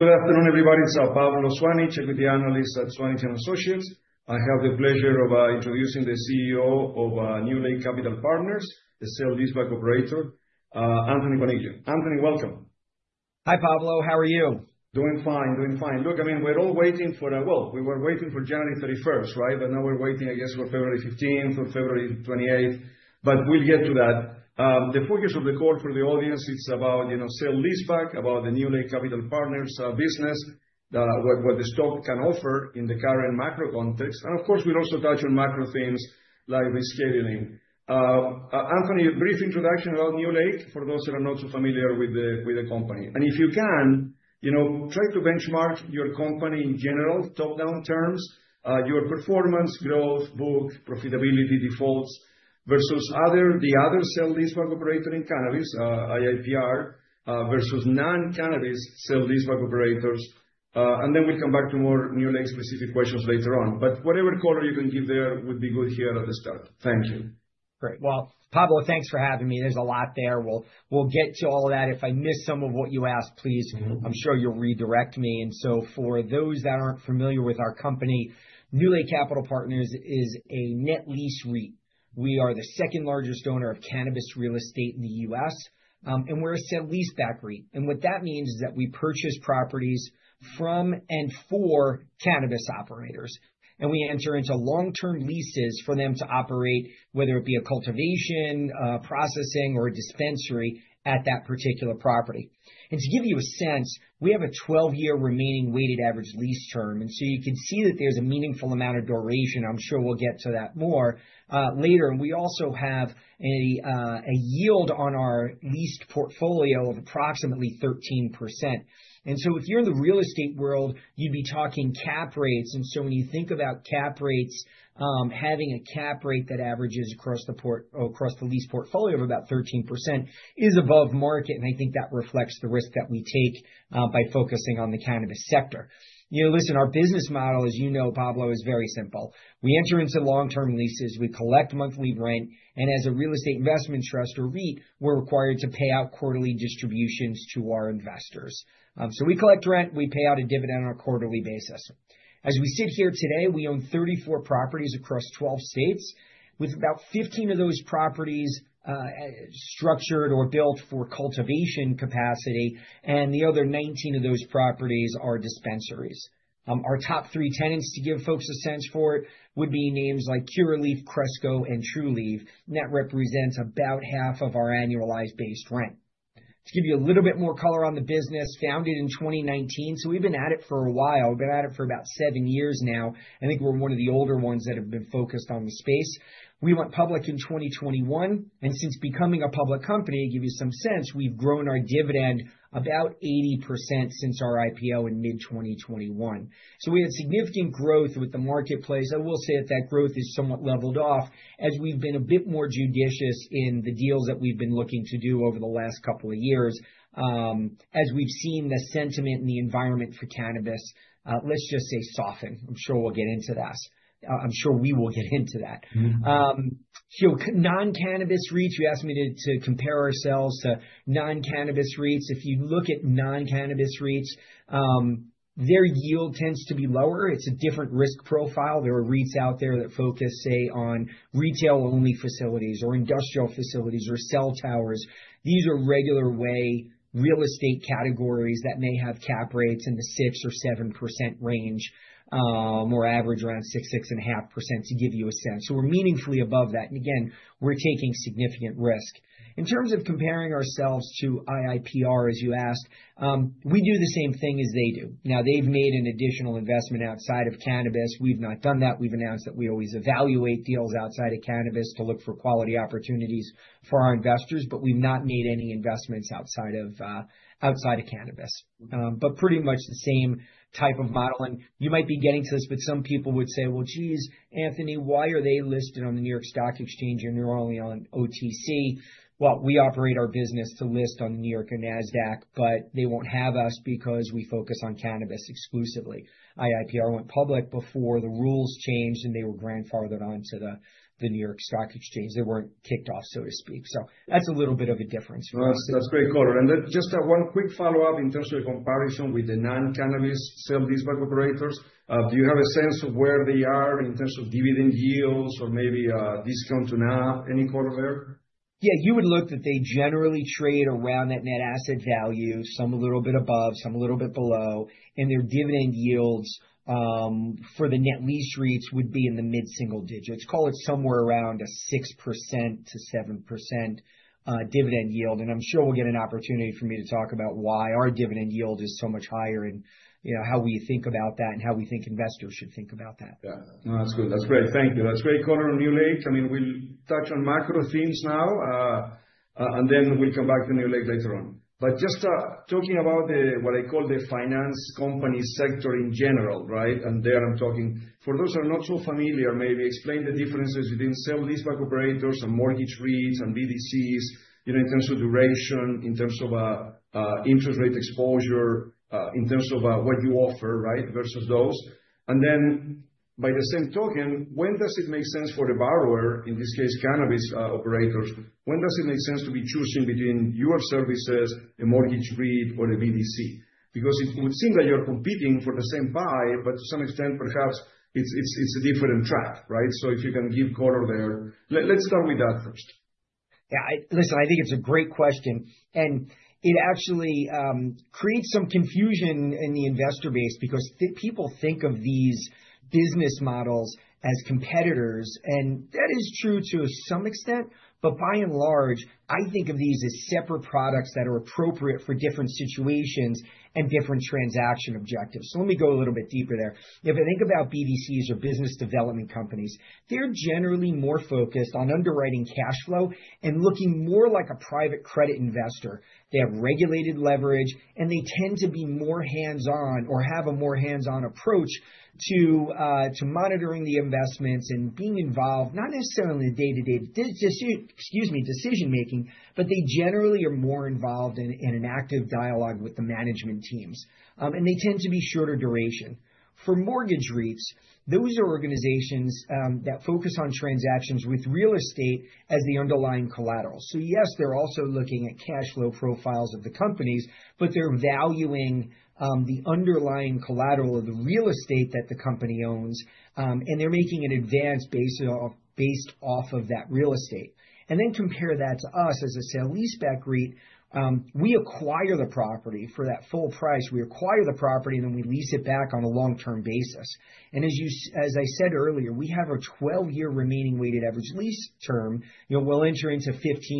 Good afternoon, everybody. It's Pablo Zuanic, Equity Analyst at Zuanic & Associates. I have the pleasure of introducing the CEO of NewLake Capital Partners, the sale-leaseback operator, Anthony Coniglio. Anthony, welcome. Hi, Pablo. How are you? Doing fine, doing fine. Look, I mean, we're all waiting for the—well, we were waiting for January 31st, right? But now we're waiting, I guess, for February 15, for February 28th, but we'll get to that. The focus of the call for the audience is about, you know, sale-leaseback, about the NewLake Capital Partners business, the, what, what the stock can offer in the current macro context. And of course, we'll also touch on macro themes like rescheduling. Anthony, a brief introduction about NewLake, for those who are not so familiar with the, with the company. If you can, you know, try to benchmark your company in general, top-down terms, your performance, growth, book, profitability, defaults, versus other, the other sale-leaseback operator in cannabis, IIPR, versus non-cannabis sale-leaseback operators, and then we'll come back to more NewLake specific questions later on. Whatever color you can give there would be good here at the start. Thank you. Great. Well, Pablo, thanks for having me. There's a lot there. We'll, we'll get to all of that. If I miss some of what you ask, please— I'm sure you'll redirect me. So for those that aren't familiar with our company, NewLake Capital Partners is a net lease REIT. We are the second largest owner of cannabis real estate in the U.S., and we're a sale-leaseback REIT. And what that means is that we purchase properties from and for cannabis operators, and we enter into long-term leases for them to operate, whether it be a cultivation, processing, or a dispensary at that particular property. And to give you a sense, we have a 12-year remaining weighted average lease term, and so you can see that there's a meaningful amount of duration. I'm sure we'll get to that more later. And we also have a yield on our leased portfolio of approximately 13%. And so if you're in the real estate world, you'd be talking cap rates. When you think about cap rates, having a cap rate that averages across the lease portfolio of about 13% is above market. I think that reflects the risk that we take by focusing on the cannabis sector. You know, listen, our business model, as you know, Pablo, is very simple. We enter into long-term leases, we collect monthly rent, and as a real estate investment trust or REIT, we're required to pay out quarterly distributions to our investors. So we collect rent, we pay out a dividend on a quarterly basis. As we sit here today, we own 34 properties across 12 states, with about 15 of those properties structured or built for cultivation capacity, and the other 19 of those properties are dispensaries. Our top three tenants, to give folks a sense for it, would be names like Curaleaf, Cresco, and Trulieve. And that represents about half of our annualized base rent. To give you a little bit more color on the business, founded in 2019, so we've been at it for a while. Been at it for about seven years now. I think we're one of the older ones that have been focused on the space. We went public in 2021, and since becoming a public company, to give you some sense, we've grown our dividend about 80% since our IPO in mid-2021. So we had significant growth with the marketplace. I will say that that growth has somewhat leveled off, as we've been a bit more judicious in the deals that we've been looking to do over the last couple of years, as we've seen the sentiment and the environment for cannabis, let's just say, soften. I'm sure we'll get into that. I'm sure we will get into that. So, non-cannabis REITs, you asked me to compare ourselves to non-cannabis REITs. If you look at non-cannabis REITs, their yield tends to be lower. It's a different risk profile. There are REITs out there that focus, say, on retail-only facilities or industrial facilities or cell towers. These are regular way real estate categories that may have cap rates in the 6%-7% range, more average around 6%, 6.5%, to give you a sense. So we're meaningfully above that, and again, we're taking significant risk. In terms of comparing ourselves to IIPR, as you asked, we do the same thing as they do. Now, they've made an additional investment outside of cannabis. We've not done that. We've announced that we always evaluate deals outside of cannabis to look for quality opportunities for our investors, but we've not made any investments outside of outside of cannabis. But pretty much the same type of modeling. You might be getting to this, but some people would say, "Well, geez, Anthony, why are they listed on the New York Stock Exchange and you're only on OTC?" Well, we operate our business to list on the New York and Nasdaq, but they won't have us because we focus on cannabis exclusively. IIPR went public before the rules changed, and they were grandfathered onto the New York Stock Exchange. They weren't kicked off, so to speak. So that's a little bit of a difference. Well, that's, that's great color. And then just, one quick follow-up in terms of the comparison with the non-cannabis sale-leaseback operators. Do you have a sense of where they are in terms of dividend yields or maybe, discount to NAV? Any color there? Yeah, you would look that they generally trade around that net asset value, some a little bit above, some a little bit below, and their dividend yields for the net lease REITs would be in the mid-single digits. Call it somewhere around a 6%-7% dividend yield. And I'm sure we'll get an opportunity for me to talk about why our dividend yield is so much higher and, you know, how we think about that and how we think investors should think about that. Yeah. No, that's good. That's great. Thank you. That's great color on NewLake. I mean, we'll touch on macro themes now, and then we'll come back to NewLake later on. But just talking about the what I call the finance company sector in general, right? And there I'm talking, for those who are not so familiar, maybe explain the differences between sale-leaseback operators and mortgage REITs and BDCs, you know, in terms of duration, in terms of interest rate exposure, in terms of what you offer, right, versus those. And then by the same token, when does it make sense for the borrower, in this case, cannabis operators, when does it make sense to be choosing between your services, a mortgage REIT, or a BDC? Because it would seem like you're competing for the same buy, but to some extent, perhaps it's a different track, right? So if you can give color there. Let's start with that first. Yeah, I, listen, I think it's a great question, and it actually creates some confusion in the investor base because people think of these business models as competitors, and that is true to some extent, but by and large, I think of these as separate products that are appropriate for different situations and different transaction objectives. So let me go a little bit deeper there. If I think about BDCs or business development companies, they're generally more focused on underwriting cash flow and looking more like a private credit investor. They have regulated leverage, and they tend to be more hands-on or have a more hands-on approach to monitoring the investments and being involved, not necessarily in the day-to-day decision making, excuse me, but they generally are more involved in an active dialogue with the management teams. They tend to be shorter duration. For mortgage REITs, those are organizations that focus on transactions with real estate as the underlying collateral. So yes, they're also looking at cash flow profiles of the companies, but they're valuing the underlying collateral of the real estate that the company owns, and they're making an advance based off of that real estate. And then compare that to us as a sale-leaseback REIT, we acquire the property for that full price. We acquire the property, and then we lease it back on a long-term basis. And as I said earlier, we have a 12-year remaining weighted average lease term. You know, we'll enter into 15-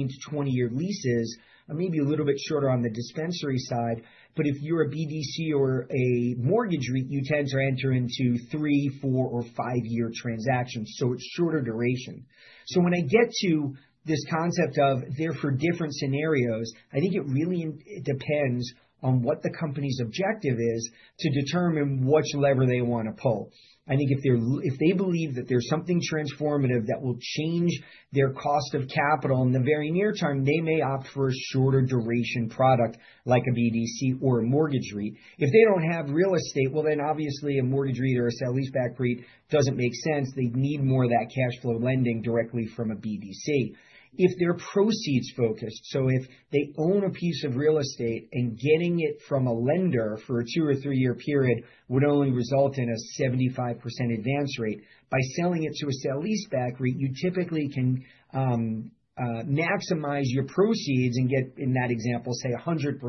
to 20-year leases, or maybe a little bit shorter on the dispensary side, but if you're a BDC or a mortgage REIT, you tend to enter into two-, four-, or five-year transactions, so it's shorter duration. So when I get to this concept of they're for different scenarios, I think it really it depends on what the company's objective is to determine which lever they want to pull. I think if they're if they believe that there's something transformative that will change their cost of capital in the very near term, they may opt for a shorter duration product like a BDC or a mortgage REIT. If they don't have real estate, well, then obviously a mortgage REIT or a sale-leaseback REIT doesn't make sense. They'd need more of that cash flow lending directly from a BDC. If they're proceeds focused, so if they own a piece of real estate and getting it from a lender for a two- or three-year period would only result in a 75% advance rate, by selling it to a sale-leaseback REIT, you typically can maximize your proceeds and get, in that example, say, 100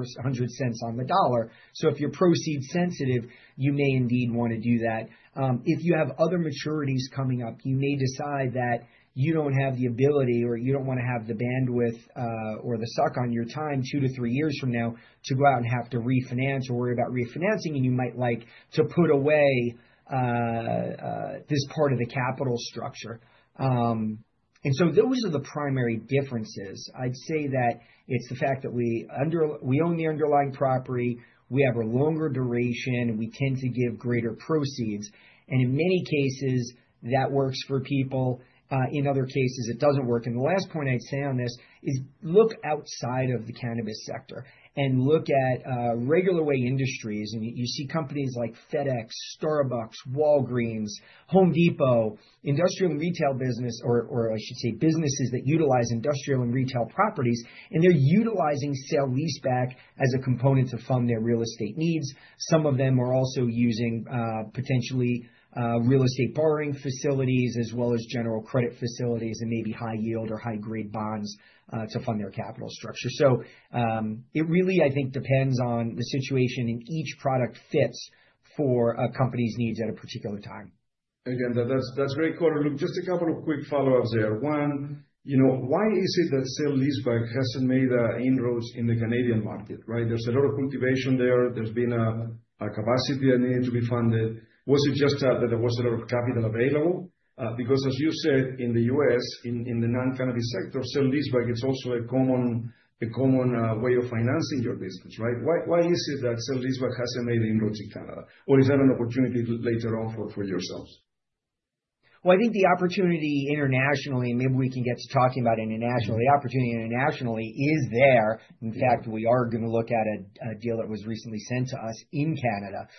cents on the dollar. So if you're proceed-sensitive, you may indeed want to do that. If you have other maturities coming up, you may decide that you don't have the ability, or you don't want to have the bandwidth, or the suck on your time two to three years from now to go out and have to refinance or worry about refinancing, and you might like to put away this part of the capital structure. And so those are the primary differences. I'd say that it's the fact that we own the underlying property, we have a longer duration, and we tend to give greater proceeds, and in many cases, that works for people. In other cases, it doesn't work. The last point I'd say on this is look outside of the cannabis sector and look at regular way industries, and you see companies like FedEx, Starbucks, Walgreens, Home Depot, industrial and retail business or, or I should say, businesses that utilize industrial and retail properties, and they're utilizing sale-leaseback as a component to fund their real estate needs. Some of them are also using potentially real estate borrowing facilities as well as general credit facilities and maybe high yield or high-grade bonds to fund their capital structure. It really, I think, depends on the situation, and each product fits for a company's needs at a particular time. Again, that's great color. Look, just a couple of quick follow-ups there. One, you know, why is it that sale-leaseback hasn't made inroads in the Canadian market, right? There's a lot of cultivation there. There's been a capacity that needed to be funded. Was it just that there was a lot of capital available? Because as you said, in the U.S., in the non-cannabis sector, sale-leaseback is also a common way of financing your business, right? Why is it that sale-leaseback hasn't made inroads in Canada, or is that an opportunity later on for yourselves? Well, I think the opportunity internationally, maybe we can get to talking about internationally. The opportunity internationally is there. In fact, we are going to look at a deal that was recently sent to us in Canada.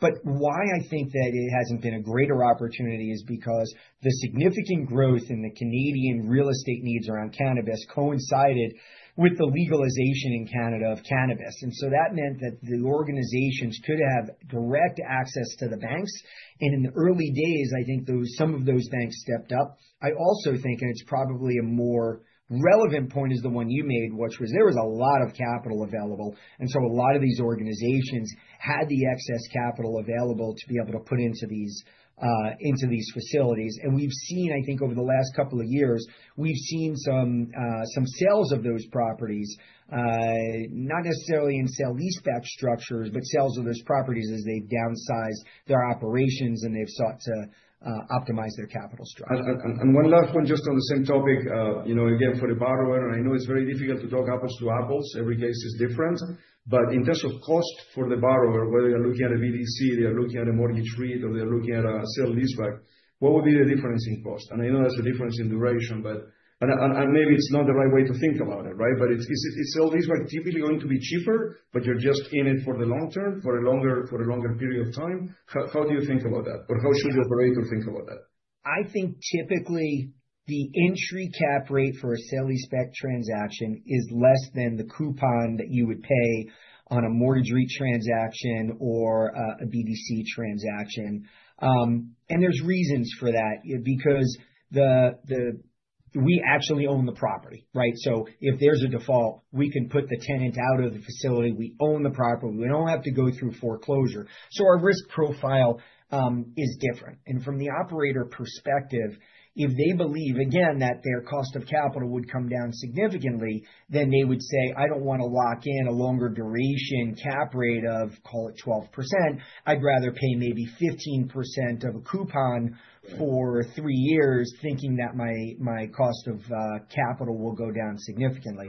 But why I think that it hasn't been a greater opportunity is because the significant growth in the Canadian real estate needs around cannabis coincided with the legalization in Canada of cannabis. And so that meant that the organizations could have direct access to the banks, and in the early days, I think those, some of those banks stepped up. I also think, and it's probably a more relevant point, is the one you made, which was there was a lot of capital available, and so a lot of these organizations had the excess capital available to be able to put into these facilities. We've seen, I think over the last couple of years, we've seen some sales of those properties, not necessarily in sale-leaseback structures, but sales of those properties as they've downsized their operations, and they've sought to optimize their capital structure. One last one, just on the same topic. You know, again, for the borrower, and I know it's very difficult to talk apples to apples, every case is different. But in terms of cost for the borrower, whether you're looking at a BDC, they are looking at a mortgage REIT, or they're looking at a sale-leaseback, what would be the difference in cost? And I know there's a difference in duration, but maybe it's not the right way to think about it, right? But is sale-leaseback typically going to be cheaper, but you're just in it for the long term, for a longer period of time? How do you think about that, or how should your operator think about that? I think typically the entry cap rate for a sale-leaseback transaction is less than the coupon that you would pay on a mortgage REIT transaction or a BDC transaction. And there's reasons for that, because we actually own the property, right? So if there's a default, we can put the tenant out of the facility. We own the property. We don't have to go through foreclosure. So our risk profile is different. And from the operator perspective, if they believe, again, that their cost of capital would come down significantly, then they would say, "I don't wanna lock in a longer duration cap rate of, call it 12%. I'd rather pay maybe 15% of a coupon for 3 years, thinking that my, my cost of capital will go down significantly."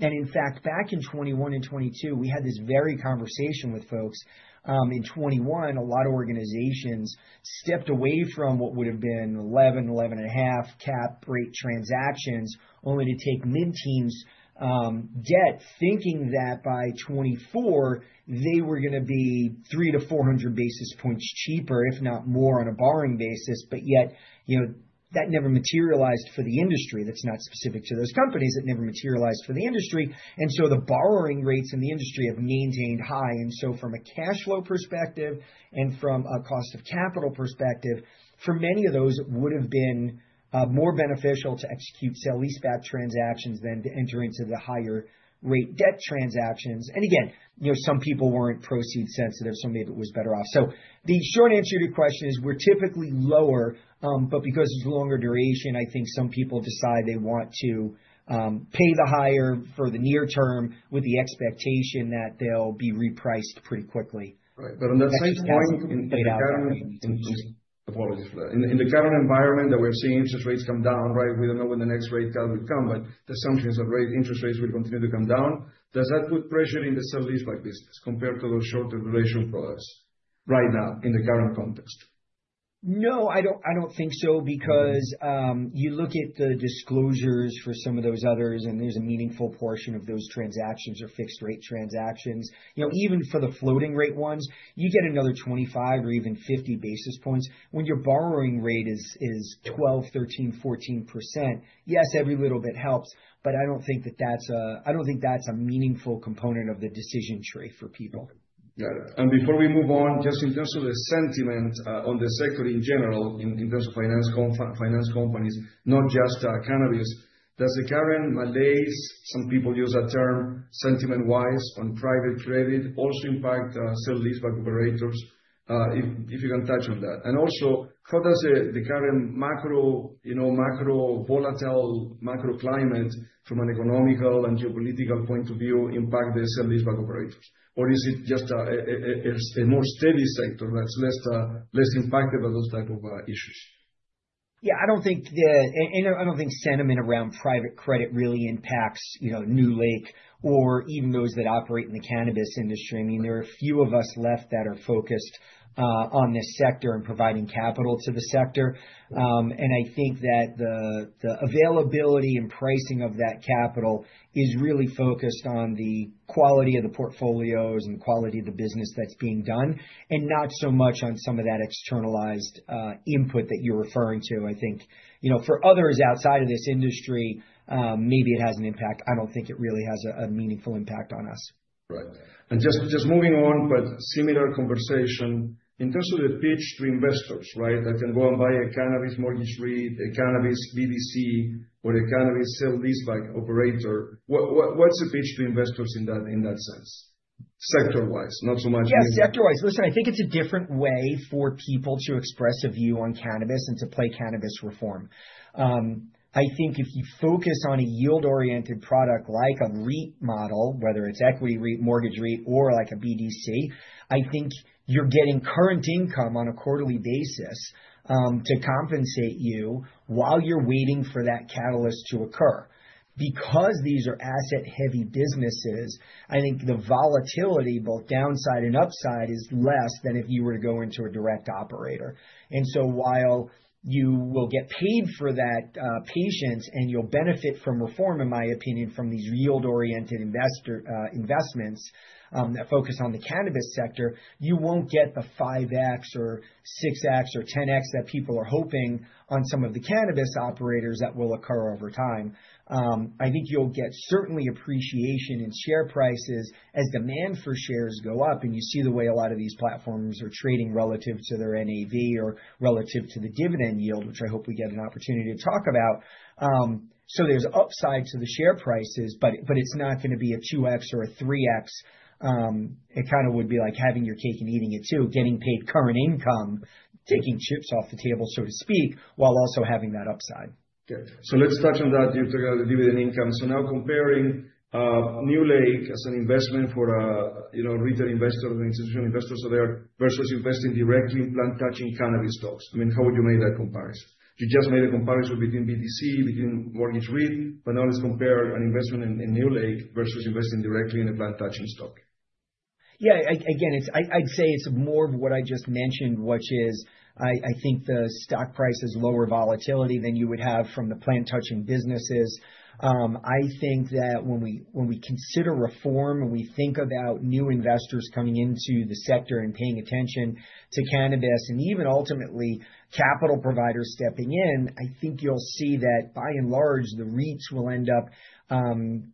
And in fact, back in 2021 and 2022, we had this very conversation with folks. In 2021, a lot of organizations stepped away from what would have been 11, 11.5 cap rate transactions, only to take mid-teens debt, thinking that by 2024, they were gonna be 300 basis points-400 basis points cheaper, if not more, on a borrowing basis. But yet, you know, that never materialized for the industry. That's not specific to those companies, that never materialized for the industry. And so the borrowing rates in the industry have maintained high. So from a cash flow perspective and from a cost of capital perspective, for many of those, it would have been more beneficial to execute sale-leaseback transactions than to enter into the higher rate debt transactions. And again, you know, some people weren't price sensitive, so maybe it was better off. So the short answer to your question is, we're typically lower, but because it's longer duration, I think some people decide they want to pay the higher for the near term with the expectation that they'll be repriced pretty quickly. Right. But on that same point, in the current environment that we're seeing interest rates come down, right? We don't know when the next rate cut will come, but the assumption is that interest rates will continue to come down. Does that put pressure in the sale-leaseback business compared to those shorter duration products, right now, in the current context? No, I don't, I don't think so, because you look at the disclosures for some of those others, and there's a meaningful portion of those transactions are fixed rate transactions. You know, even for the floating rate ones, you get another 25 basis points or even 50 basis points. When your borrowing rate is 12%, 13%, 14%, yes, every little bit helps, but I don't think that's a meaningful component of the decision tree for people. Yeah. And before we move on, just in terms of the sentiment on the sector in general, in terms of finance companies, not just cannabis, does the current malaise, some people use that term, sentiment-wise, on private credit, also impact sale-leaseback operators? If you can touch on that. And also, how does the current macro, you know, volatile macro climate from an economic and geopolitical point of view, impact the sale-leaseback operators? Or is it just a more steady sector that's less impacted by those type of issues? Yeah, I don't think sentiment around private credit really impacts, you know, NewLake or even those that operate in the cannabis industry. I mean, there are a few of us left that are focused on this sector and providing capital to the sector. And I think that the availability and pricing of that capital is really focused on the quality of the portfolios and quality of the business that's being done, and not so much on some of that externalized input that you're referring to. I think, you know, for others outside of this industry, maybe it has an impact. I don't think it really has a meaningful impact on us. Right. Just moving on, but similar conversation. In terms of the pitch to investors, right? I can go and buy a cannabis mortgage REIT, a cannabis BDC, or a cannabis sale-leaseback operator. What's the pitch to investors in that sense, sector-wise, not so much— Yeah, sector-wise. Listen, I think it's a different way for people to express a view on cannabis and to play cannabis reform. I think if you focus on a yield-oriented product like a REIT model, whether it's equity REIT, mortgage REIT, or like a BDC, I think you're getting current income on a quarterly basis, to compensate you while you're waiting for that catalyst to occur. Because these are asset-heavy businesses, I think the volatility, both downside and upside, is less than if you were to go into a direct operator. So while you will get paid for that patience, and you'll benefit from reform, in my opinion, from these yield-oriented investor investments that focus on the cannabis sector, you won't get the 5x or 6x or 10x that people are hoping on some of the cannabis operators that will occur over time. I think you'll get certainly appreciation in share prices as demand for shares go up, and you see the way a lot of these platforms are trading relative to their NAV or relative to the dividend yield, which I hope we get an opportunity to talk about. So there's upside to the share prices, but it's not gonna be a 2x or a 3x. It kind of would be like having your cake and eating it, too. Getting paid current income, taking chips off the table, so to speak, while also having that upside. Good. So let's touch on that, you've talked about the dividend income. So now comparing, NewLake as an investment for a, you know, retail investor or an institutional investor, so they are, versus investing directly in plant-touching cannabis stocks. I mean, how would you make that comparison? You just made a comparison between BDC, between mortgage REIT, but now let's compare an investment in, in NewLake versus investing directly in a plant-touching stock. Yeah, again, it's more of what I just mentioned. I'd say it's more of what I just mentioned. I think the stock price is lower volatility than you would have from the plant-touching businesses. I think that when we consider reform, when we think about new investors coming into the sector and paying attention to cannabis, and even ultimately capital providers stepping in, I think you'll see that, by and large, the REITs will end up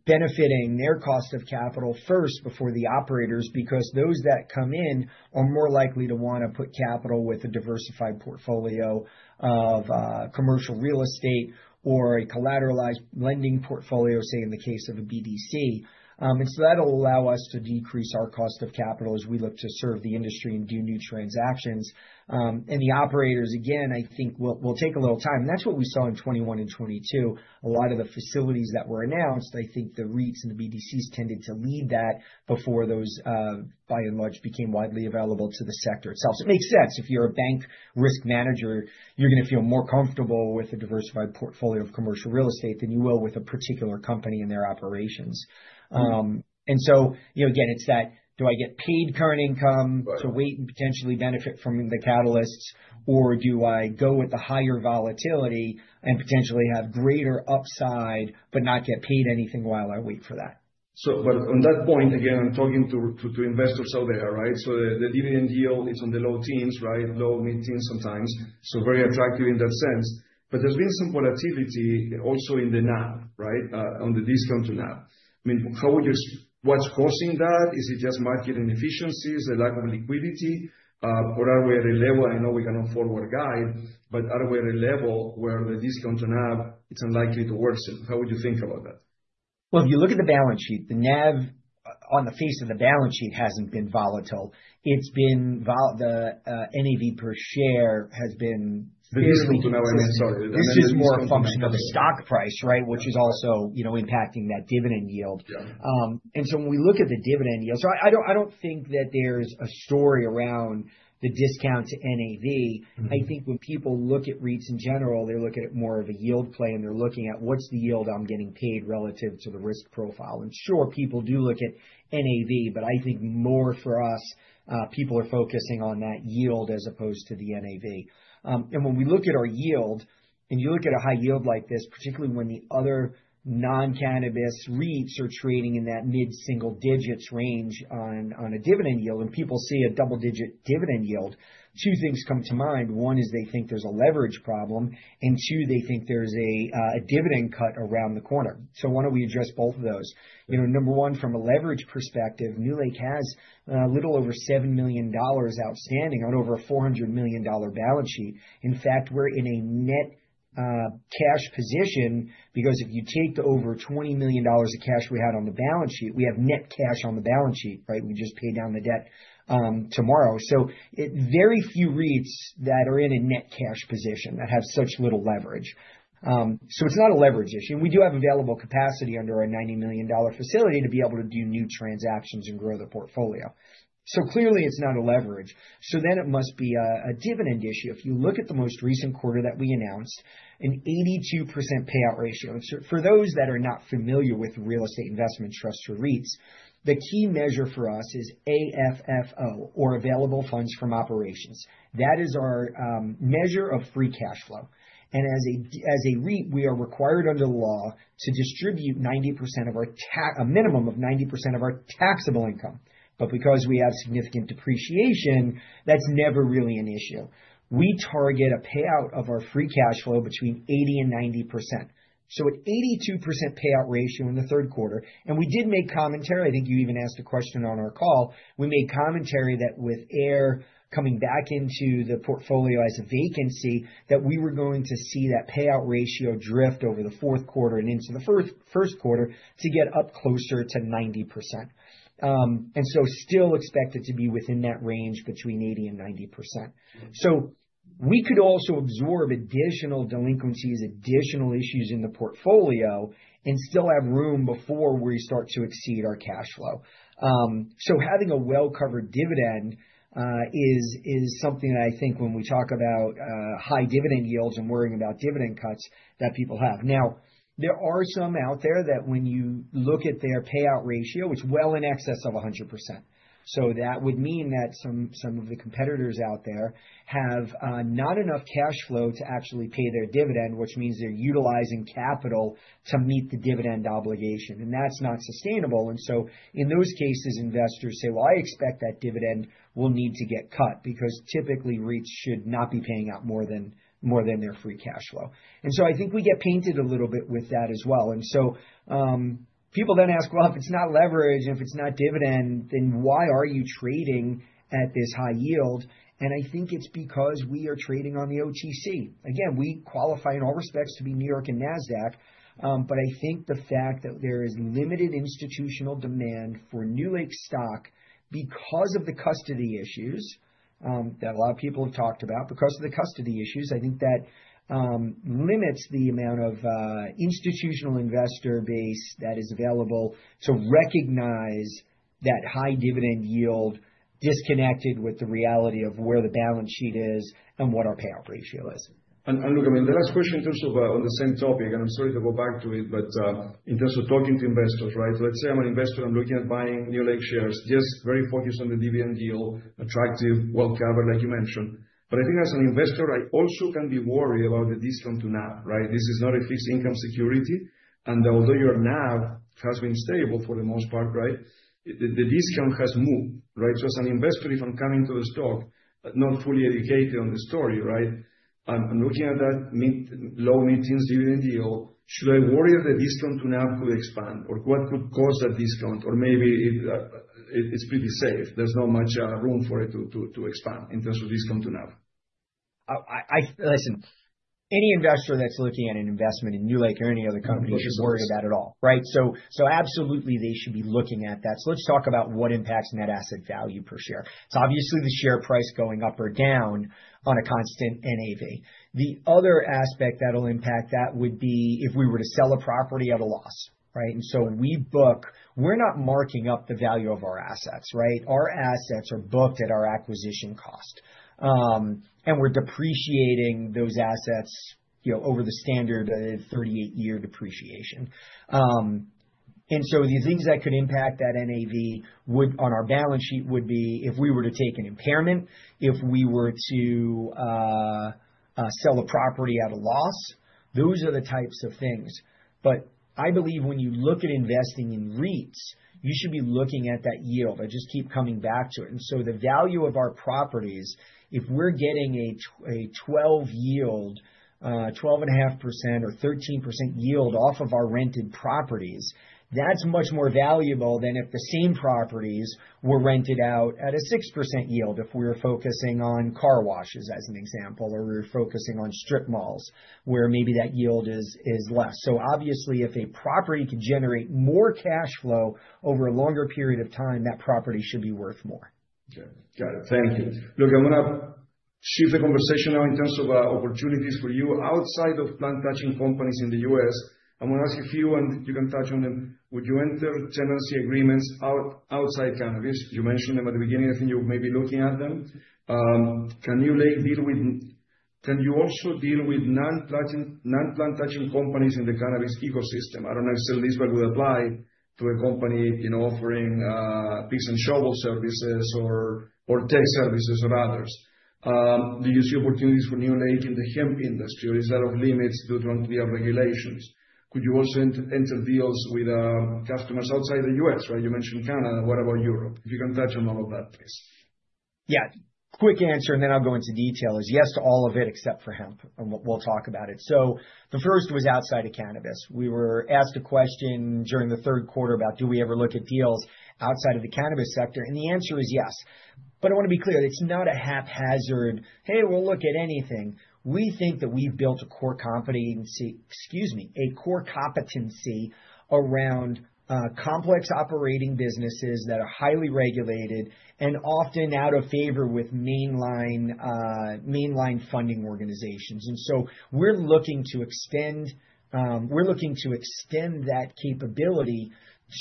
benefiting their cost of capital first before the operators. Because those that come in are more likely to wanna put capital with a diversified portfolio of commercial real estate or a collateralized lending portfolio, say in the case of a BDC. And so that'll allow us to decrease our cost of capital as we look to serve the industry and do new transactions. And the operators, again, I think will take a little time. And that's what we saw in 2021 and 2022. A lot of the facilities that were announced, I think the REITs and the BDCs tended to lead that before those, by and large, became widely available to the sector itself. So it makes sense. If you're a bank risk manager, you're gonna feel more comfortable with a diversified portfolio of commercial real estate than you will with a particular company and their operations. And so, you know, again, it's that, do I get paid current income to wait and potentially benefit from the catalysts? Or do I go with the higher volatility and potentially have greater upside, but not get paid anything while I wait for that? But on that point, again, I'm talking to investors out there, right? So the dividend yield is in the low teens, right? Low, mid-teens sometimes. So very attractive in that sense. But there's been some volatility also in the NAV, right? On the discount to NAV. I mean, how would you—what's causing that? Is it just market inefficiencies or lack of liquidity? Or are we at a level, I know we cannot forward guide, but are we at a level where the discount to NAV is unlikely to worsen? How would you think about that? Well, if you look at the balance sheet, the NAV, on the face of the balance sheet hasn't been volatile. It's been—the NAV per share has been— The discount to NAV, sorry. This is more a function of the stock price, right? Which is also, you know, impacting that dividend yield. Yeah. And so when we look at the dividend yield. So I don't think that there's a story around the discount to NAV. I think when people look at REITs in general, they're looking at more of a yield play, and they're looking at: What's the yield I'm getting paid relative to the risk profile? And sure, people do look at NAV, but I think more for us, people are focusing on that yield as opposed to the NAV. And when we look at our yield, and you look at a high yield like this, particularly when the other non-cannabis REITs are trading in that mid-single digits range on a dividend yield, and people see a double-digit dividend yield, two things come to mind. One is they think there's a leverage problem, and two, they think there's a dividend cut around the corner. So why don't we address both of those? You know, number one, from a leverage perspective, NewLake has a little over $7 million outstanding on over a $400 million balance sheet. In fact, we're in a net cash position, because if you take the over $20 million of cash we had on the balance sheet, we have net cash on the balance sheet, right? We just pay down the debt tomorrow. So, very few REITs that are in a net cash position, that have such little leverage. So it's not a leverage issue, and we do have available capacity under our $90 million facility to be able to do new transactions and grow the portfolio. So clearly it's not a leverage. So then it must be a dividend issue. If you look at the most recent quarter that we announced, an 82% payout ratio. And so for those that are not familiar with real estate investment trusts or REITs, the key measure for us is AFFO, or available funds from operations. That is our measure of free cash flow. And as a REIT, we are required under the law to distribute a minimum of 90% of our taxable income. But because we have significant depreciation, that's never really an issue. We target a payout of our free cash flow between 80% and 90%. So at 82% payout ratio in the third quarter, and we did make commentary, I think you even asked a question on our call. We made commentary that with Ayr coming back into the portfolio as a vacancy, that we were going to see that payout ratio drift over the fourth quarter and into the first quarter to get up closer to 90%. And so still expect it to be within that range, between 80% and 90%. So we could also absorb additional delinquencies, additional issues in the portfolio and still have room before we start to exceed our cash flow. So having a well-covered dividend is something that I think when we talk about high dividend yields and worrying about dividend cuts, that people have. Now, there are some out there that when you look at their payout ratio, it's well in excess of 100%. So that would mean that some of the competitors out there have not enough cash flow to actually pay their dividend, which means they're utilizing capital to meet the dividend obligation, and that's not sustainable. And so in those cases, investors say, "Well, I expect that dividend will need to get cut," because typically, REITs should not be paying out more than their free cash flow. And so I think we get painted a little bit with that as well. And so, people then ask, "Well, if it's not leverage, and if it's not dividend, then why are you trading at this high yield?" And I think it's because we are trading on the OTC. Again, we qualify in all respects to be New York and Nasdaq, but I think the fact that there is limited institutional demand for NewLake stock because of the custody issues that a lot of people have talked about, because of the custody issues, I think that limits the amount of institutional investor base that is available to recognize that high dividend yield disconnected with the reality of where the balance sheet is and what our payout ratio is. And look, I mean, the last question in terms of, on the same topic, and I'm sorry to go back to it, but, in terms of talking to investors, right? Let's say I'm an investor, I'm looking at buying NewLake shares, just very focused on the dividend yield, attractive, well-covered, like you mentioned. But I think as an investor, I also can be worried about the discount to NAV, right? This is not a fixed income security, and although your NAV has been stable for the most part, right, the discount has moved, right? So as an investor, if I'm coming to the stock, but not fully educated on the story, right, I'm looking at that mid- low mid-teens dividend yield. Should I worry that the discount to NAV could expand, or what could cause that discount? Or maybe it's pretty safe. There's not much room for it to expand in terms of discount to NAV. Listen, any investor that's looking at an investment in NewLake or any other company should worry about it at all, right? So absolutely they should be looking at that. So let's talk about what impacts net asset value per share. It's obviously the share price going up or down on a constant NAV. The other aspect that'll impact that would be if we were to sell a property at a loss, right? And so when we book, we're not marking up the value of our assets, right? Our assets are booked at our acquisition cost. And we're depreciating those assets, you know, over the standard 38-year depreciation. And so the things that could impact that NAV would, on our balance sheet, would be if we were to take an impairment, if we were to sell a property at a loss. Those are the types of things. But I believe when you look at investing in REITs, you should be looking at that yield. I just keep coming back to it. And so the value of our properties, if we're getting a 12% yield, 12.5% or 13% yield off of our rented properties, that's much more valuable than if the same properties were rented out at a 6% yield, if we were focusing on car washes, as an example, or we were focusing on strip malls, where maybe that yield is less. So obviously, if a property can generate more cash flow over a longer period of time, that property should be worth more. Okay. Got it. Thank you. Look, I'm gonna shift the conversation now in terms of opportunities for you outside of plant-touching companies in the U.S. I want to ask a few, and you can touch on them. Would you enter tenancy agreements outside cannabis? You mentioned them at the beginning, I think you may be looking at them. Can you like deal with—can you also deal with non-touching, non-plant touching companies in the cannabis ecosystem? I don't know if still this one would apply to a company, you know, offering picks and shovel services or tech services or others. Do you see opportunities for NewLake in the hemp industry, or is that off limits due to clear regulations? Could you also enter deals with customers outside the U.S., right? You mentioned Canada, what about Europe? If you can touch on all of that, please. Yeah. Quick answer, and then I'll go into detail, is yes to all of it, except for hemp, and we'll, we'll talk about it. So the first was outside of cannabis. We were asked a question during the third quarter about do we ever look at deals outside of the cannabis sector, and the answer is yes. But I want to be clear, it's not a haphazard, "Hey, we'll look at anything." We think that we've built a core competency, excuse me, a core competency around, complex operating businesses that are highly regulated and often out of favor with mainline, mainline funding organizations. And so we're looking to extend, we're looking to extend that capability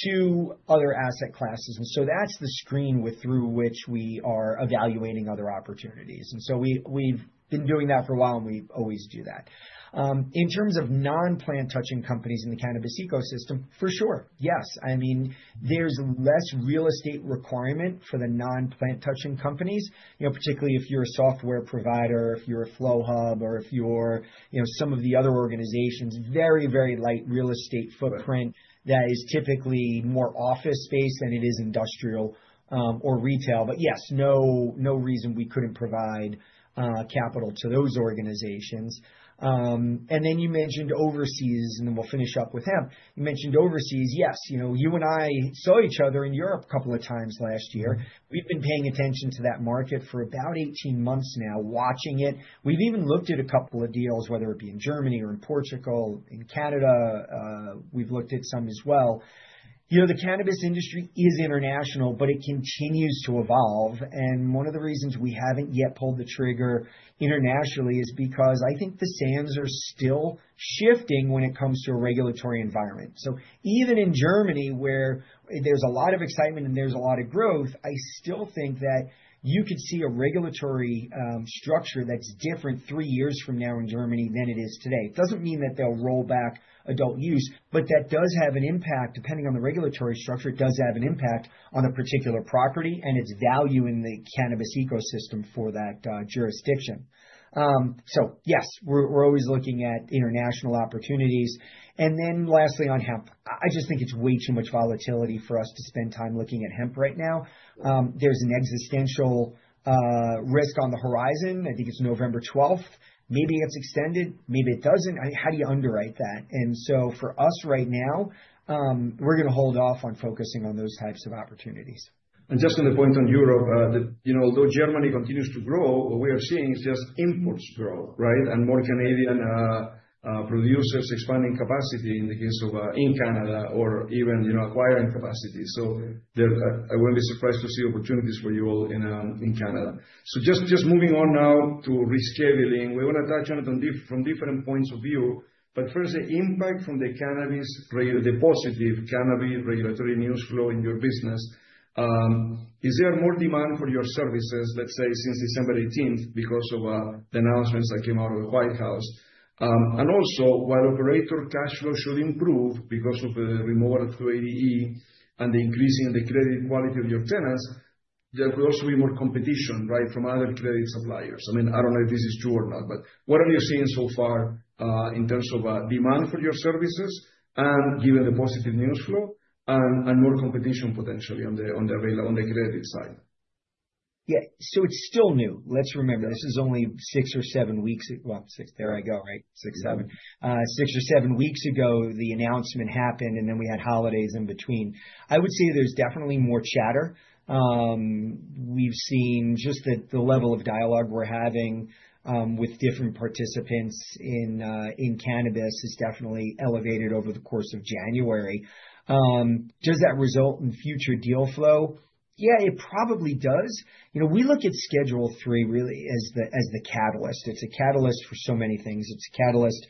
to other asset classes, and so that's the screen through which we are evaluating other opportunities. And so we, we've been doing that for a while, and we always do that. In terms of non-plant touching companies in the cannabis ecosystem, for sure, yes. I mean, there's less real estate requirement for the non-plant touching companies, you know, particularly if you're a software provider, if you're a Flowhub or if you're, you know, some of the other organizations, very, very light real estate footprint— Right. That is typically more office space than it is industrial, or retail. But yes, no, no reason we couldn't provide capital to those organizations. And then you mentioned overseas, and then we'll finish up with hemp. You mentioned overseas, yes. You know, you and I saw each other in Europe a couple of times last year. We've been paying attention to that market for about 18 months now, watching it. We've even looked at a couple of deals, whether it be in Germany or in Portugal. In Canada, we've looked at some as well. You know, the cannabis industry is international, but it continues to evolve, and one of the reasons we haven't yet pulled the trigger internationally is because I think the sands are still shifting when it comes to a regulatory environment. So even in Germany, where there's a lot of excitement and there's a lot of growth, I still think that you could see a regulatory structure that's different three years from now in Germany than it is today. It doesn't mean that they'll roll back adult use, but that does have an impact, depending on the regulatory structure, it does have an impact on a particular property and its value in the cannabis ecosystem for that jurisdiction. So yes, we're always looking at international opportunities. And then lastly, on hemp. I just think it's way too much volatility for us to spend time looking at hemp right now. There's an existential risk on the horizon. I think it's November 12th. Maybe it's extended, maybe it doesn't. How do you underwrite that? And so for us right now, we're gonna hold off on focusing on those types of opportunities. And just on the point on Europe, you know, although Germany continues to grow, what we are seeing is just imports grow, right? And more Canadian producers expanding capacity in the case of, in Canada or even, you know, acquiring capacity. So there, I wouldn't be surprised to see opportunities for you all in Canada. So just moving on now to rescheduling. We want to touch on it from different points of view, but first, the impact from the positive cannabis regulatory news flow in your business, is there more demand for your services, let's say, since December 18th, because of the announcements that came out of the White House? And also, while operator cash flow should improve because of the removal of 280E and the increasing credit quality of your tenants—there could also be more competition, right, from other credit suppliers. I mean, I don't know if this is true or not, but what are you seeing so far, in terms of, demand for your services, and given the positive news flow, and more competition potentially on the, on the credit side? Yeah. So it's still new. Let's remember, this is only six or seven weeks, well, six, there I go, right, six, seven. Six or seven weeks ago, the announcement happened, and then we had holidays in between. I would say there's definitely more chatter. We've seen just the level of dialogue we're having with different participants in cannabis is definitely elevated over the course of January. Does that result in future deal flow? Yeah, it probably does. You know, we look at Schedule III really as the, as the catalyst. It's a catalyst for so many things. It's a catalyst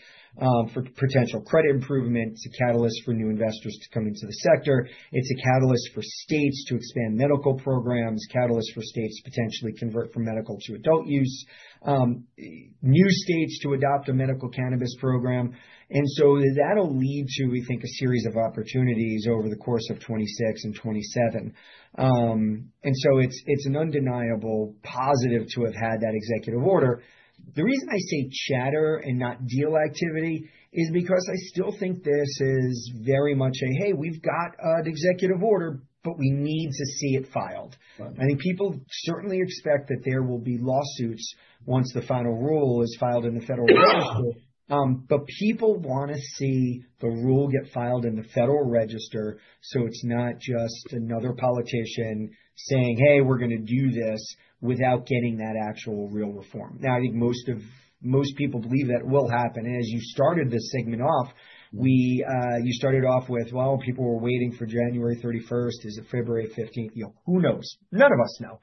for potential credit improvement. It's a catalyst for new investors to come into the sector. It's a catalyst for states to expand medical programs, catalyst for states to potentially convert from medical to adult use. New states to adopt a medical cannabis program, and so that'll lead to, we think, a series of opportunities over the course of 2026 and 2027. And so it's an undeniable positive to have had that executive order. The reason I say chatter and not deal activity is because I still think this is very much a, "Hey, we've got an executive order, but we need to see it filed." Right. I think people certainly expect that there will be lawsuits once the final rule is filed in the Federal Register. But people want to see the rule get filed in the Federal Register, so it's not just another politician saying, "Hey, we're going to do this," without getting that actual real reform. Now, I think most of, most people believe that will happen, and as you started this segment off, we, you started off with, "Well, people were waiting for January 31st. Is it February 15th?" You know, who knows? None of us know.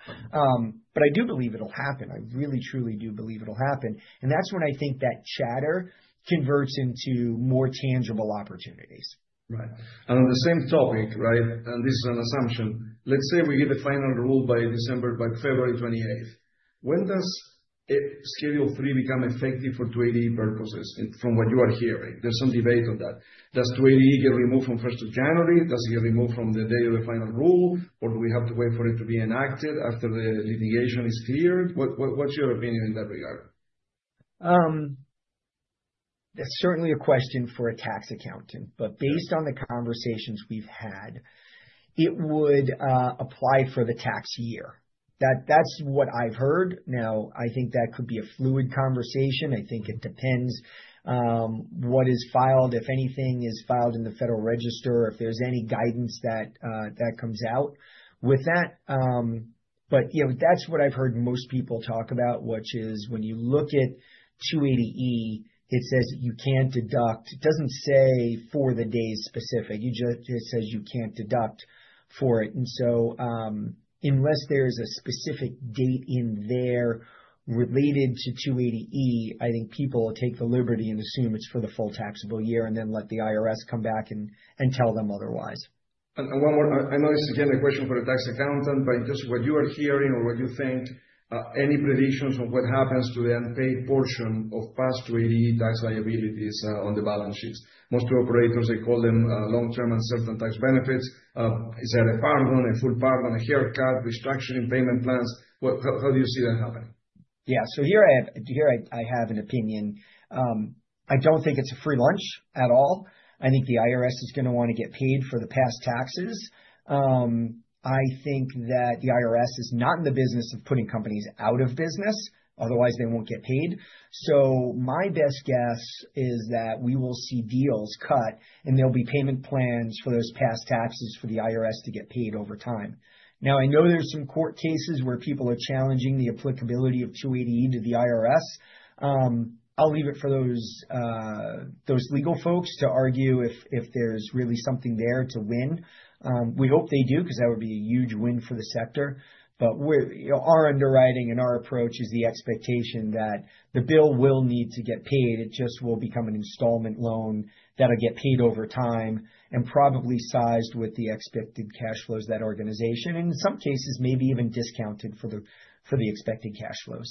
But I do believe it'll happen. I really, truly do believe it'll happen, and that's when I think that chatter converts into more tangible opportunities. Right. And on the same topic, right, and this is an assumption: Let's say we get a final rule by December, by February 28th. When does Schedule III become effective for trading purposes? And from what you are hearing, there's some debate on that. Does 280E get removed from January 1? Does it get removed from the day of the final rule, or do we have to wait for it to be enacted after the litigation is cleared? What, what, what's your opinion in that regard? That's certainly a question for a tax accountant. Based on the conversations we've had, it would apply for the tax year. That's what I've heard. Now, I think that could be a fluid conversation. I think it depends what is filed, if anything is filed in the Federal Register, or if there's any guidance that that comes out with that. But, you know, that's what I've heard most people talk about, which is when you look at 280E, it says that you can't deduct—it doesn't say for the day specific. It just says you can't deduct for it. And so, unless there's a specific date in there related to 280E, I think people will take the liberty and assume it's for the full taxable year, and then let the IRS come back and tell them otherwise. One more. I know this is again, a question for a tax accountant, but just what you are hearing or what you think, any predictions on what happens to the unpaid portion of past 280E tax liabilities, on the balance sheets? Most operators, they call them, long-term uncertain tax benefits. Is that a pardon, a full pardon, a haircut, restructuring payment plans? What, how, how do you see that happening? Yeah. So here I have an opinion. I don't think it's a free lunch at all. I think the IRS is going to want to get paid for the past taxes. I think that the IRS is not in the business of putting companies out of business, otherwise they won't get paid. So my best guess is that we will see deals cut, and there'll be payment plans for those past taxes for the IRS to get paid over time. Now, I know there's some court cases where people are challenging the applicability of 280E to the IRS. I'll leave it for those legal folks to argue if there's really something there to win. We hope they do, because that would be a huge win for the sector. We're, you know, our underwriting and our approach is the expectation that the bill will need to get paid. It just will become an installment loan that'll get paid over time, and probably sized with the expected cash flows, that organization, and in some cases, maybe even discounted for the expected cash flows.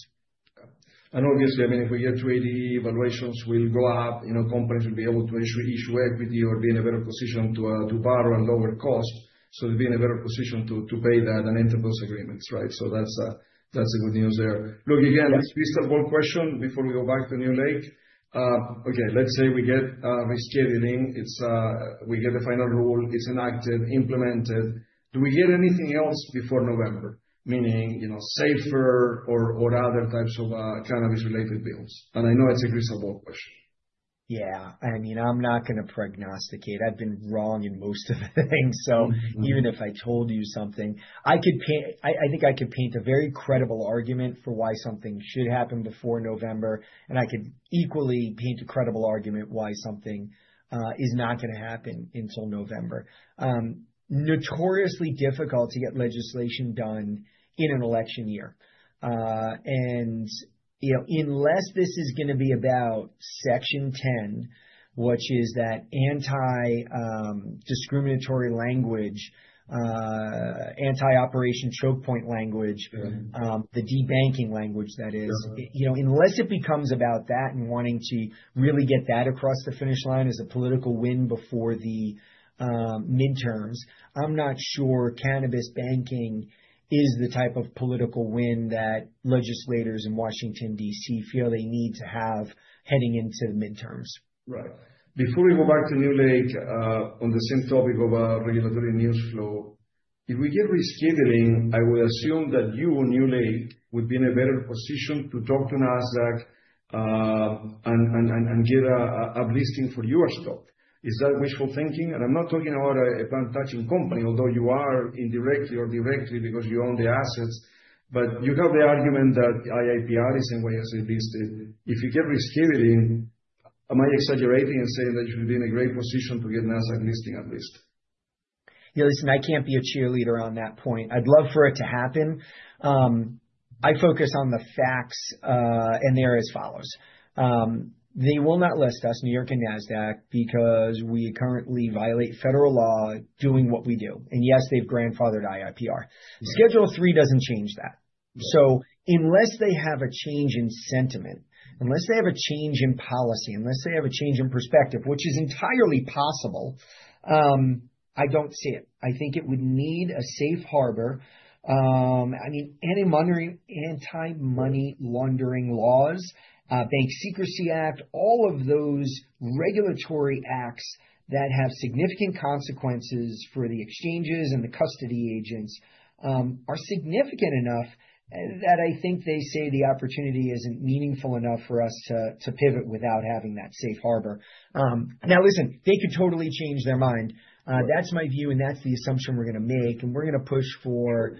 Okay. And obviously, I mean, if we get 280E, valuations will go up, you know, companies will be able to issue, issue equity or be in a better position to, to borrow at lower cost, so they'll be in a better position to, to pay that and enter those agreements, right? So that's, that's the good news there. Look, again— Yeah. Crystal ball question before we go back to NewLake. Okay, let's say we get rescheduling. It's we get a final rule, it's enacted, implemented. Do we get anything else before November? Meaning, you know, SAFER or other types of cannabis-related bills? And I know it's a crystal ball question. Yeah. I mean, I'm not going to prognosticate. I've been wrong in most of the things, so— Mm-hmm. Even if I told you something. I think I could paint a very credible argument for why something should happen before November, and I could equally paint a credible argument why something is not going to happen until November. Notoriously difficult to get legislation done in an election year. And, you know, unless this is going to be about Section 10, which is that anti-discriminatory language, anti-Operation Chokepoint language— Mm-hmm. The debanking language that is. Sure. You know, unless it becomes about that and wanting to really get that across the finish line as a political win before the midterms, I'm not sure cannabis banking is the type of political win that legislators in Washington, D.C., feel they need to have heading into the midterms. Right. Before we go back to NewLake, on the same topic of regulatory news flow. If we get rescheduling, I will assume that you, NewLake, would be in a better position to talk to Nasdaq, and get a listing for your stock. Is that wishful thinking? I'm not talking about a plant touching company, although you are indirectly or directly because you own the assets, but you have the argument that IIPR is in way as it is. If you get rescheduling, am I exaggerating and saying that you'll be in a great position to get Nasdaq listing at least? Yeah, listen, I can't be a cheerleader on that point. I'd love for it to happen. I focus on the facts, and they are as follows: they will not list us, New York and Nasdaq, because we currently violate federal law doing what we do. And yes, they've grandfathered IIPR. Schedule III doesn't change that. Right. So unless they have a change in sentiment, unless they have a change in policy, unless they have a change in perspective, which is entirely possible, I don't see it. I think it would need a safe harbor. I mean, any anti-money laundering laws, Bank Secrecy Act, all of those regulatory acts that have significant consequences for the exchanges and the custody agents, are significant enough that I think they say the opportunity isn't meaningful enough for us to pivot without having that safe harbor. Now listen, they could totally change their mind. Right. That's my view, and that's the assumption we're gonna make, and we're gonna push for,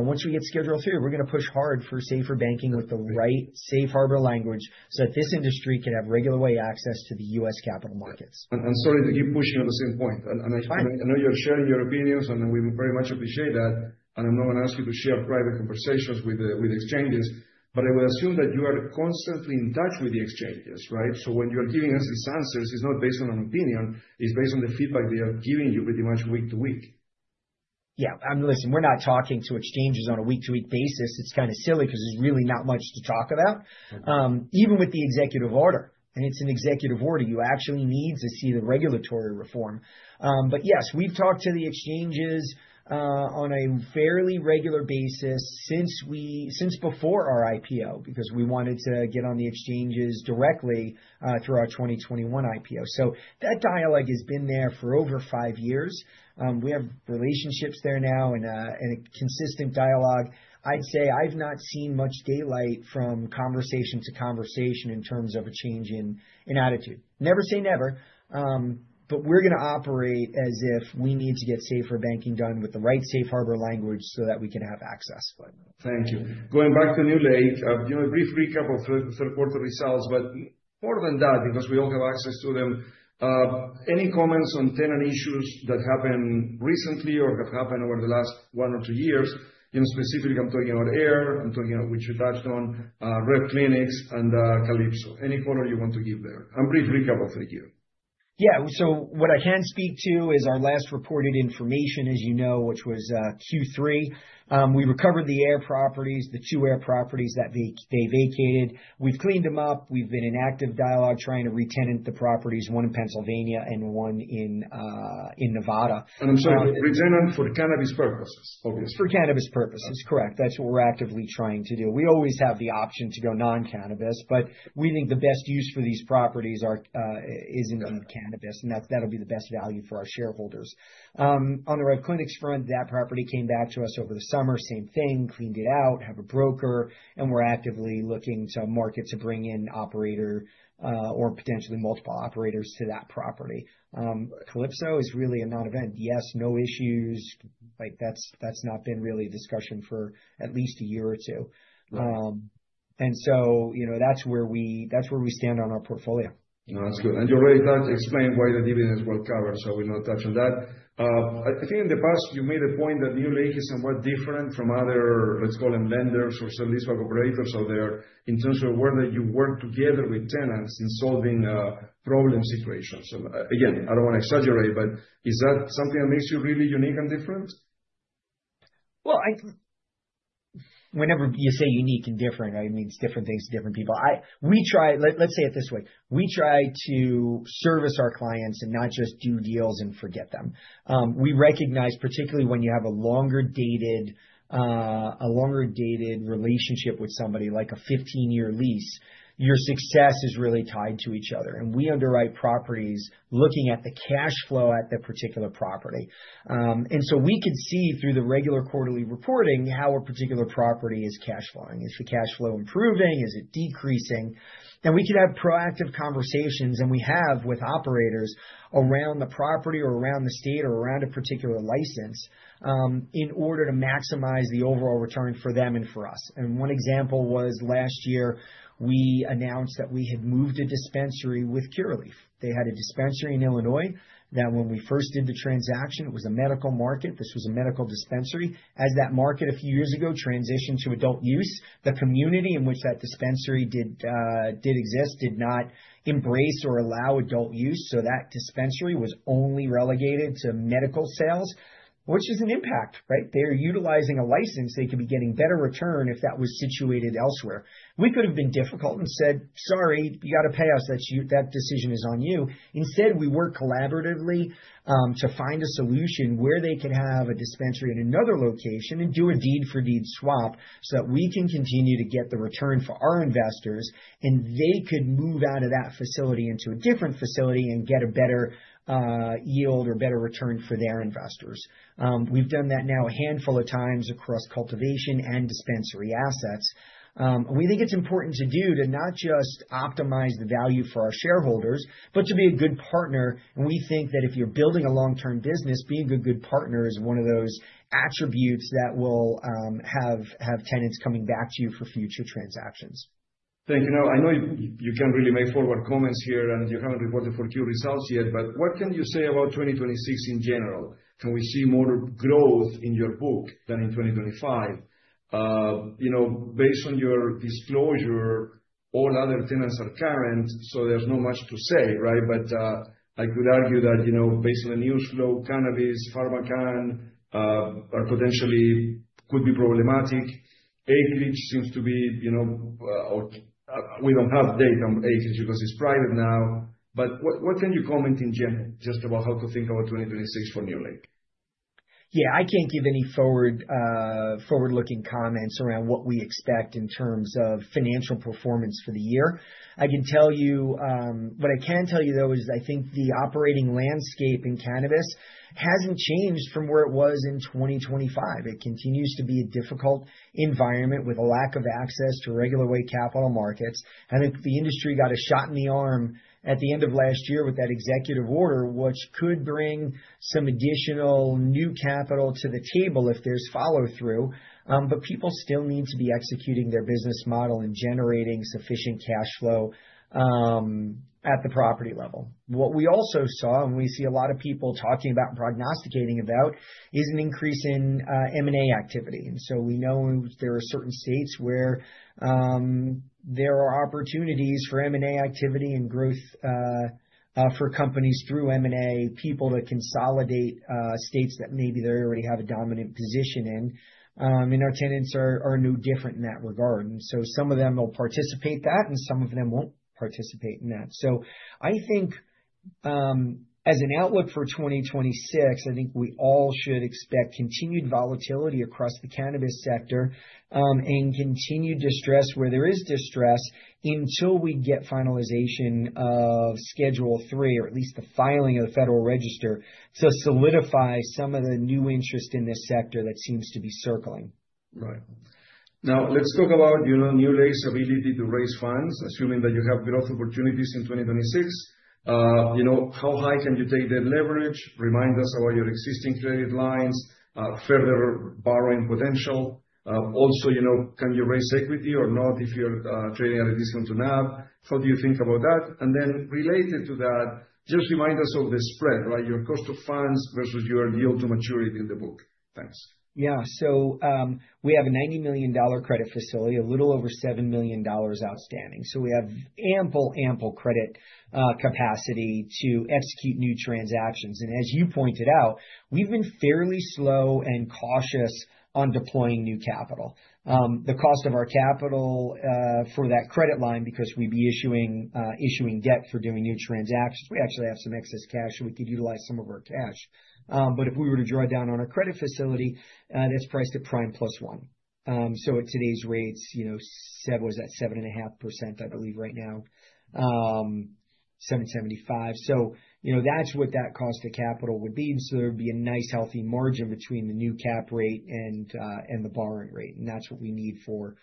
once we get Schedule III, we're gonna push hard for SAFER Banking with the right safe harbor language, so that this industry can have regulatory access to the U.S. capital markets. I'm sorry to keep pushing on the same point. It's fine. I know you're sharing your opinions, and we very much appreciate that, and I'm not gonna ask you to share private conversations with the, with the exchanges, but I would assume that you are constantly in touch with the exchanges, right? So when you're giving us these answers, it's not based on an opinion, it's based on the feedback they are giving you pretty much week-to-week. Yeah. Listen, we're not talking to exchanges on a week-to-week basis. It's kind of silly because there's really not much to talk about. Even with the executive order, and it's an executive order, you actually need to see the regulatory reform. But yes, we've talked to the exchanges on a fairly regular basis since before our IPO, because we wanted to get on the exchanges directly through our 2021 IPO. So that dialogue has been there for over five years. We have relationships there now and a consistent dialogue. I'd say I've not seen much daylight from conversation to conversation in terms of a change in attitude. Never say never, but we're gonna operate as if we need to get SAFER Banking done with the right safe harbor language so that we can have access, but. Thank you. Going back to NewLake, give a brief recap of third quarter results, but more than that, because we all have access to them. Any comments on tenant issues that happened recently or have happened over the last one or two years? You know, specifically, I'm talking about Ayr, I'm talking about, which you touched on, REV Clinics and Calypso. Any color you want to give there? A brief recap of the year. Yeah. So what I can speak to is our last reported information, as you know, which was Q3. We recovered the Ayr properties, the two Ayr properties that they vacated. We've cleaned them up. We've been in active dialogue trying to retenant the properties, one in Pennsylvania and one in Nevada. I'm sorry, re-tenant for cannabis purposes, obviously. For cannabis purposes, correct. That's what we're actively trying to do. We always have the option to go non-cannabis, but we think the best use for these properties are, is indeed cannabis, and that, that'll be the best value for our shareholders. On the REV Clinics front, that property came back to us over the summer. Same thing, cleaned it out, have a broker, and we're actively looking to market to bring in operator, or potentially multiple operators to that property. Calypso is really a non-event. Yes, no issues. Like, that's, that's not been really a discussion for at least a year or two. Right. And so, you know, that's where we, that's where we stand on our portfolio. No, that's good. And you already explained why the dividends were covered, so we'll not touch on that. I think in the past you made a point that NewLake is somewhat different from other, let's call them lenders or service operators out there, in terms of whether you work together with tenants in solving, problem situations. So again, I don't want to exaggerate, but is that something that makes you really unique and different? Well, whenever you say unique and different, it means different things to different people. We try. Let's say it this way: we try to service our clients and not just do deals and forget them. We recognize, particularly when you have a longer dated, a longer dated relationship with somebody, like a 15-year lease, your success is really tied to each other, and we underwrite properties looking at the cash flow at the particular property. And so we could see through the regular quarterly reporting, how a particular property is cash flowing. Is the cash flow improving? Is it decreasing? And we could have proactive conversations, and we have, with operators around the property or around the state or around a particular license, in order to maximize the overall return for them and for us. And one example was last year, we announced that we had moved a dispensary with Curaleaf. They had a dispensary in Illinois that when we first did the transaction, it was a medical market. This was a medical dispensary. As that market, a few years ago, transitioned to adult use, the community in which that dispensary did exist did not embrace or allow adult use, so that dispensary was only relegated to medical sales, which is an impact, right? They're utilizing a license. They could be getting better return if that was situated elsewhere. We could have been difficult and said: "Sorry, you got to pay us. That's you- that decision is on you." Instead, we worked collaboratively to find a solution where they could have a dispensary in another location and do a deed-for-deed swap, so that we can continue to get the return for our investors, and they could move out of that facility into a different facility and get a better yield or better return for their investors. We've done that now a handful of times across cultivation and dispensary assets. We think it's important to do, to not just optimize the value for our shareholders, but to be a good partner. And we think that if you're building a long-term business, being a good partner is one of those attributes that will have tenants coming back to you for future transactions. Thank you. Now, I know you, you can't really make forward comments here, and you haven't reported 4Q results yet, but what can you say about 2026 in general? Can we see more growth in your book than in 2025? You know, based on your disclosure, all other tenants are current, so there's not much to say, right? But, I could argue that, you know, based on the news flow, cannabis, PharmaCann, are potentially could be problematic. Acreage seems to be, you know, or, we don't have data on Acreage because it's private now. But what, what can you comment in general, just about how to think about 2026 for NewLake? Yeah, I can't give any forward-looking comments around what we expect in terms of financial performance for the year. I can tell you what I can tell you, though, is I think the operating landscape in cannabis hasn't changed from where it was in 2025. It continues to be a difficult environment with a lack of access to regulatory capital markets. I think the industry got a shot in the arm at the end of last year with that executive order, which could bring some additional new capital to the table if there's follow-through. But people still need to be executing their business model and generating sufficient cash flow at the property level. What we also saw, and we see a lot of people talking about, prognosticating about, is an increase in M&A activity. We know there are certain states where there are opportunities for M&A activity and growth for companies through M&A, people to consolidate states that maybe they already have a dominant position in. Our tenants are no different in that regard. Some of them will participate that, and some of them won't participate in that. I think, as an outlook for 2026, we all should expect continued volatility across the cannabis sector, and continued distress where there is distress until we get finalization of Schedule III, or at least the filing of the Federal Register, to solidify some of the new interest in this sector that seems to be circling. Right. Now, let's talk about, you know, NewLake's ability to raise funds, assuming that you have growth opportunities in 2026. You know, how high can you take that leverage? Remind us about your existing credit lines, further borrowing potential. Also, you know, can you raise equity or not if you're trading at a discount to NAV? How do you think about that? And then related to that, just remind us of the spread, like your cost of funds versus your yield to maturity in the book. Thanks. Yeah. So, we have a $90 million credit facility, a little over $7 million outstanding. So we have ample, ample credit capacity to execute new transactions. And as you pointed out, we've been fairly slow and cautious on deploying new capital. The cost of our capital, for that credit line, because we'd be issuing debt for doing new transactions, we actually have some excess cash, and we could utilize some of our cash. But if we were to draw down on our credit facility, that's priced at prime plus 1. So at today's rates, you know, SEB was at 7.5%, I believe, right now, 7.75%. So, you know, that's what that cost to capital would be. So there would be a nice, healthy margin between the new cap rate and the borrowing rate, and that's what we need for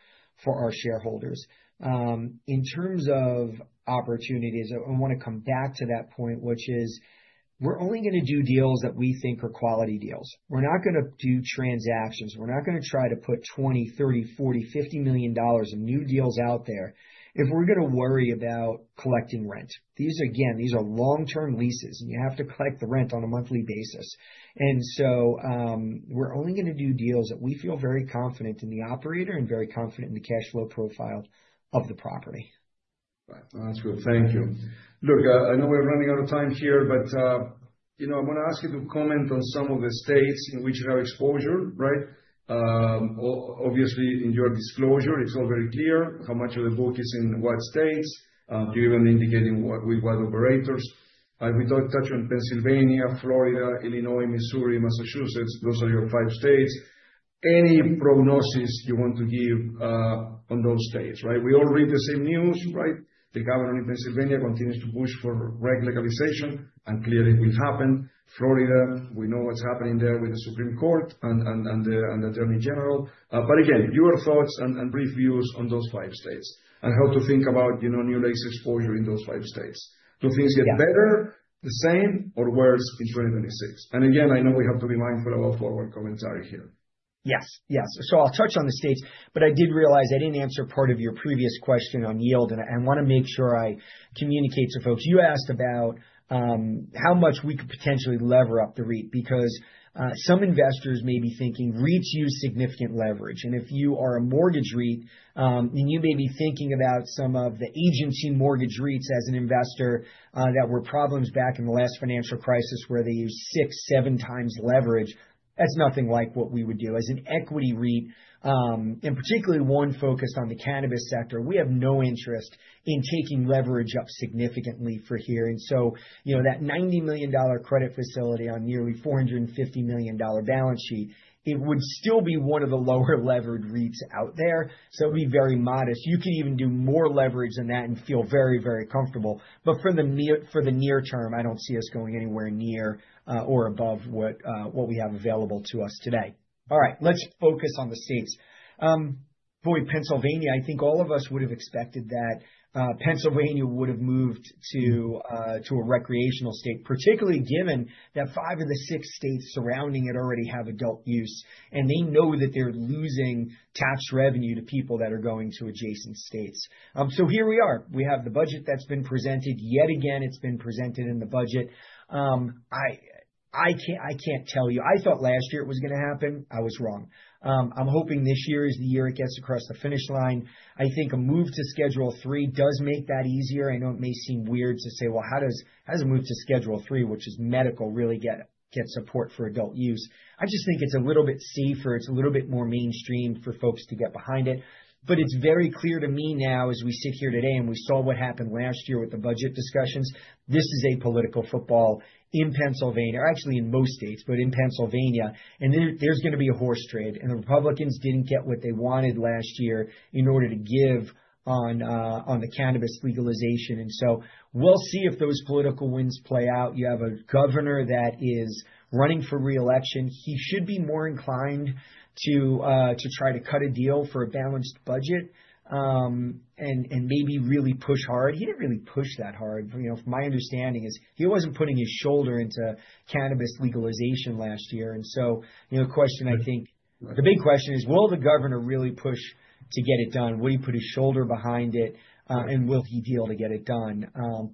our shareholders. In terms of opportunities, I, I want to come back to that point, which is we're only going to do deals that we think are quality deals. We're not going to do transactions, we're not going to try to put $20 million, $30 million, $40 million, $50 million of new deals out there if we're going to worry about collecting rent. These, again, these are long-term leases, and you have to collect the rent on a monthly basis. And so, we're only going to do deals that we feel very confident in the operator and very confident in the cash flow profile of the property. Right. That's good. Thank you. Look, I know we're running out of time here, but you know, I'm gonna ask you to comment on some of the states in which you have exposure, right? Obviously, in your disclosure, it's all very clear how much of the book is in what states, you even indicating what, with what operators. We touched on Pennsylvania, Florida, Illinois, Missouri, Massachusetts. Those are your five states. Any prognosis you want to give on those states, right? We all read the same news, right? The governor in Pennsylvania continues to push for recreational legalization, and clearly it will happen. Florida, we know what's happening there with the Supreme Court and the attorney general. But again, your thoughts and brief views on those five states, and how to think about, you know, NewLake's exposure in those five states. Do things get better, the same, or worse in 2026? And again, I know we have to be mindful about forward commentary here. Yes, yes. So I'll touch on the states, but I did realize I didn't answer part of your previous question on yield, and I, I want to make sure I communicate to folks. You asked about how much we could potentially lever up the REIT, because some investors may be thinking REITs use significant leverage. And if you are a mortgage REIT, then you may be thinking about some of the agency mortgage REITs as an investor, that were problems back in the last financial crisis, where they used 6x-7x leverage. That's nothing like what we would do. As an equity REIT, and particularly one focused on the cannabis sector, we have no interest in taking leverage up significantly for here. And so, you know, that $90 million credit facility on nearly $450 million balance sheet, it would still be one of the lower levered REITs out there, so it'd be very modest. You could even do more leverage than that and feel very, very comfortable. But for the near, for the near term, I don't see us going anywhere near, or above what, what we have available to us today. All right, let's focus on the states. Boy, Pennsylvania, I think all of us would have expected that, Pennsylvania would have moved to, to a recreational state, particularly given that five of the six states surrounding it already have adult use, and they know that they're losing tax revenue to people that are going to adjacent states. So here we are. We have the budget that's been presented. Yet again, it's been presented in the budget. I can't tell you. I thought last year it was gonna happen. I was wrong. I'm hoping this year is the year it gets across the finish line. I think a move to Schedule III does make that easier. I know it may seem weird to say, "Well, how does a move to Schedule III, which is medical, really get support for adult use?" I just think it's a little bit safer, it's a little bit more mainstream for folks to get behind it. But it's very clear to me now, as we sit here today, and we saw what happened last year with the budget discussions, this is a political football in Pennsylvania, or actually in most states, but in Pennsylvania. There, there's gonna be a horse trade, and the Republicans didn't get what they wanted last year in order to give on, on the cannabis legalization. So we'll see if those political winds play out. You have a governor that is running for reelection. He should be more inclined to, to try to cut a deal for a balanced budget, and, and maybe really push hard. He didn't really push that hard. You know, from my understanding is he wasn't putting his shoulder into cannabis legalization last year. So, you know, the question, I think, the big question is: Will the governor really push to get it done? Will he put his shoulder behind it, and will he be able to get it done?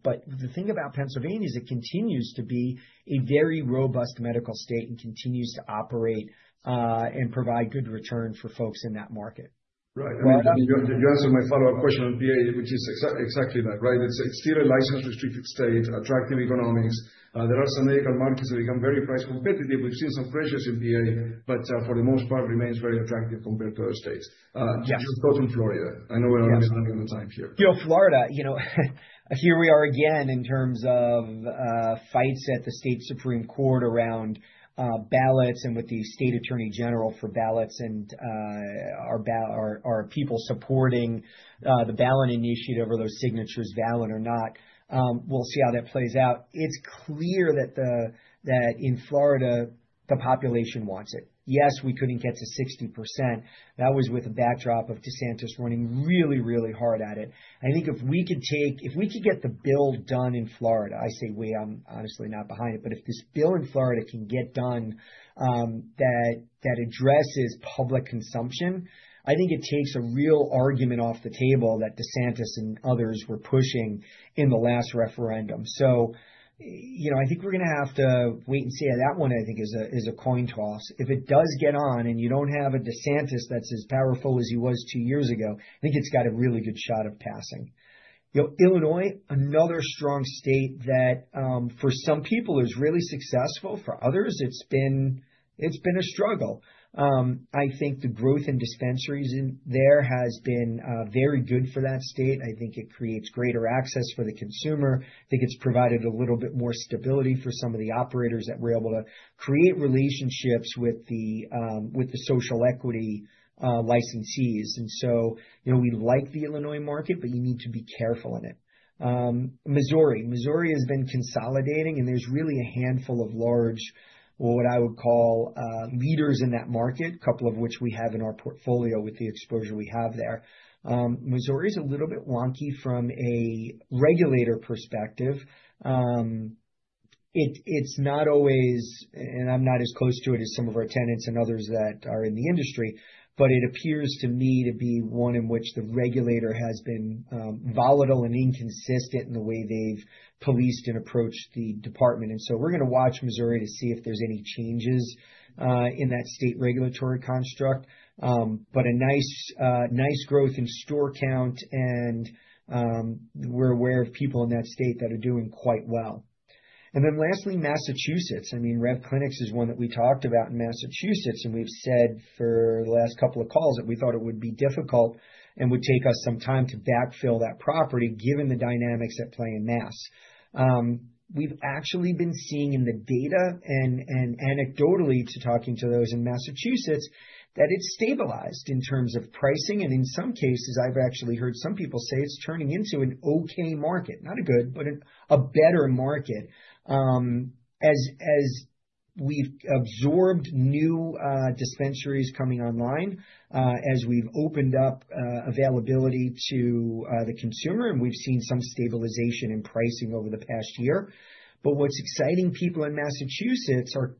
But the thing about Pennsylvania is it continues to be a very robust medical state and continues to operate, and provide good return for folks in that market. Right. I mean, you answered my follow-up question on PA, which is exactly that, right? It's still a license-restricted state, attractive economics. There are some medical markets that become very price competitive. We've seen some pressures in PA, but for the most part remains very attractive compared to other states. Yes. Let's go to Florida. I know we're running out of time here. You know, Florida, you know, here we are again in terms of, fights at the state supreme court around, ballots and with the state attorney general for ballots and, are people supporting the ballot initiative, are those signatures valid or not? We'll see how that plays out. It's clear that in Florida, the population wants it. Yes, we couldn't get to 60%. That was with the backdrop of DeSantis running really, really hard at it. I think if we could get the bill done in Florida, I say we, I'm honestly not behind it, but if this bill in Florida can get done, that addresses public consumption, I think it takes a real argument off the table that DeSantis and others were pushing in the last referendum. So, you know, I think we're gonna have to wait and see how that one, I think, is a, is a coin toss. If it does get on and you don't have a DeSantis that's as powerful as he was two years ago, I think it's got a really good shot of passing. You know, Illinois, another strong state that, for some people, is really successful. For others, it's been, it's been a struggle. I think the growth in dispensaries in there has been very good for that state. I think it creates greater access for the consumer. I think it's provided a little bit more stability for some of the operators that were able to create relationships with the, with the social equity licensees. And so, you know, we like the Illinois market, but you need to be careful in it. Missouri. Missouri has been consolidating, and there's really a handful of large, or what I would call, leaders in that market, couple of which we have in our portfolio with the exposure we have there. Missouri is a little bit wonky from a regulator perspective. It, it's not always, and I'm not as close to it as some of our tenants and others that are in the industry, but it appears to me to be one in which the regulator has been, volatile and inconsistent in the way they've policed and approached the department. And so we're gonna watch Missouri to see if there's any changes, in that state regulatory construct. But a nice, nice growth in store count and, we're aware of people in that state that are doing quite well. And then lastly, Massachusetts. I mean, REV Clinics is one that we talked about in Massachusetts, and we've said for the last couple of calls that we thought it would be difficult and would take us some time to backfill that property, given the dynamics at play in Mass. We've actually been seeing in the data and anecdotally talking to those in Massachusetts, that it's stabilized in terms of pricing, and in some cases, I've actually heard some people say it's turning into an okay market, not a good, but a better market. As we've absorbed new dispensaries coming online, as we've opened up availability to the consumer, and we've seen some stabilization in pricing over the past year. But what's exciting people in Massachusetts are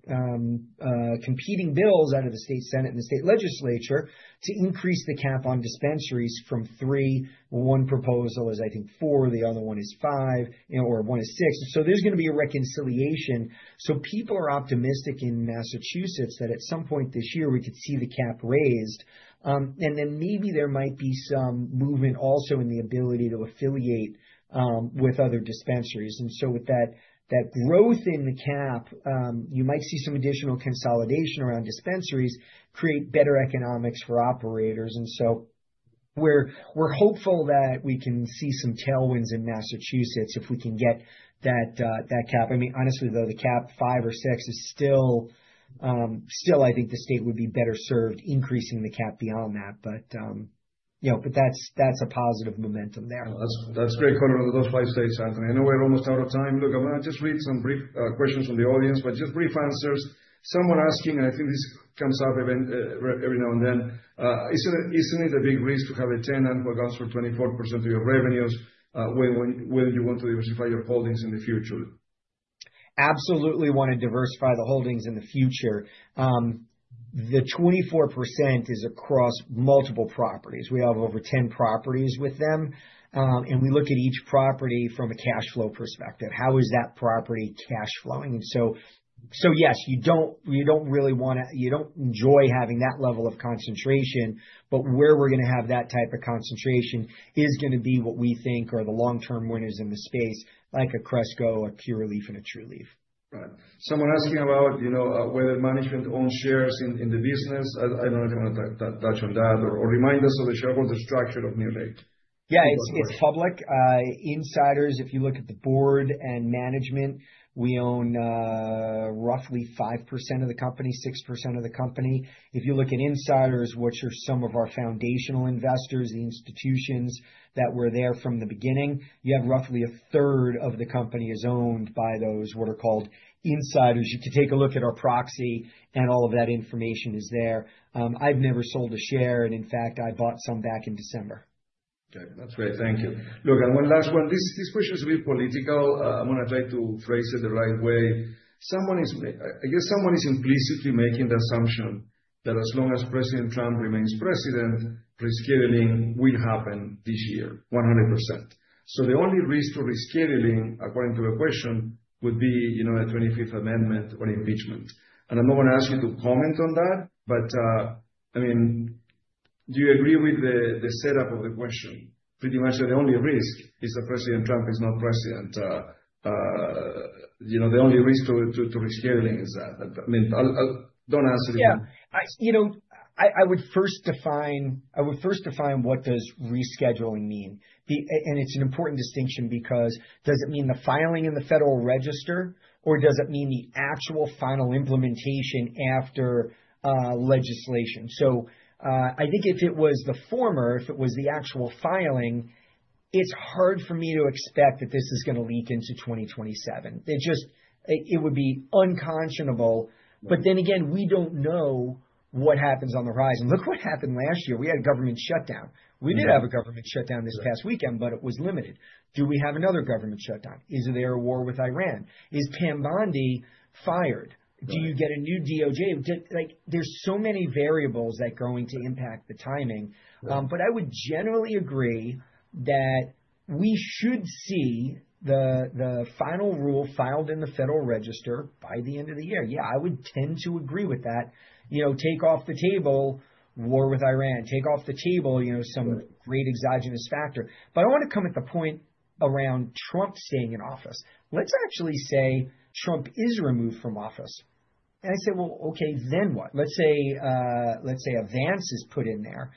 competing bills out of the state senate and the state legislature to increase the cap on dispensaries from three. One proposal is, I think, four, the other one is five, you know, or one is six. So there's gonna be a reconciliation. So people are optimistic in Massachusetts that at some point this year, we could see the cap raised. And then maybe there might be some movement also in the ability to affiliate with other dispensaries. And so with that, that growth in the cap, you might see some additional consolidation around dispensaries create better economics for operators. And so we're, we're hopeful that we can see some tailwinds in Massachusetts if we can get that, that cap. I mean, honestly, though, the cap five or six is still, still, I think the state would be better served increasing the cap beyond that, but you know, but that's, that's a positive momentum there. That's great color on those five states, Anthony. I know we're almost out of time. Look, I'm gonna just read some brief questions from the audience, but just brief answers. Someone asking, and I think this comes up even every now and then, "Isn't it a big risk to have a tenant who accounts for 24% of your revenues, when you want to diversify your holdings in the future?" Absolutely want to diversify the holdings in the future. The 24% is across multiple properties. We have over 10 properties with them, and we look at each property from a cash flow perspective. How is that property cash flowing? And so, so yes, you don't, you don't really wanna—you don't enjoy having that level of concentration, but where we're gonna have that type of concentration is gonna be what we think are the long-term winners in the space, like a Cresco, a Curaleaf, and a Trulieve. Right. Someone asking about, you know, whether management owns shares in the business. I don't know if you wanna touch on that or remind us of the shareholder structure of NewLake. Yeah, it's, it's public. Insiders, if you look at the board and management, we own, roughly 5% of the company, 6% of the company. If you look at insiders, which are some of our foundational investors, the institutions that were there from the beginning, you have roughly 1/3 of the company is owned by those, what are called insiders. You can take a look at our proxy, and all of that information is there. I've never sold a share, and in fact, I bought some back in December. Okay. That's great. Thank you. Look, and one last one. This, this question is a bit political. I'm gonna try to phrase it the right way. Someone is, I guess someone is implicitly making the assumption that as long as President Trump remains president, rescheduling will happen this year 100%. So the only risk for rescheduling, according to the question, would be, you know, a 25th amendment or impeachment. And I'm not gonna ask you to comment on that, but, I mean, do you agree with the setup of the question? Pretty much the only risk is that President Trump is not president, you know, the only risk to rescheduling is that. I mean, I'll—don't answer it. Yeah. I, you know, would first define what does rescheduling mean. And it's an important distinction because does it mean the filing in the Federal Register, or does it mean the actual final implementation after legislation? So, I think if it was the former, if it was the actual filing, it's hard for me to expect that this is gonna leak into 2027. It just, it would be unconscionable. But then again, we don't know what happens on the horizon. Look what happened last year. We had a government shutdown. Yeah. We did have a government shutdown this past weekend, but it was limited. Do we have another government shutdown? Is there a war with Iran? Is Pam Bondi fired? Right. Do you get a new DOJ? Like, there's so many variables that are going to impact the timing. Right. But I would generally agree that we should see the final rule filed in the Federal Register by the end of the year. Yeah, I would tend to agree with that. You know, take off the table war with Iran, take off the table, you know, some— Right. Great exogenous factor. But I want to come at the point around Trump staying in office. Let's actually say Trump is removed from office. And I say, "Well, okay, then what?" Let's say JD Vance is put in there.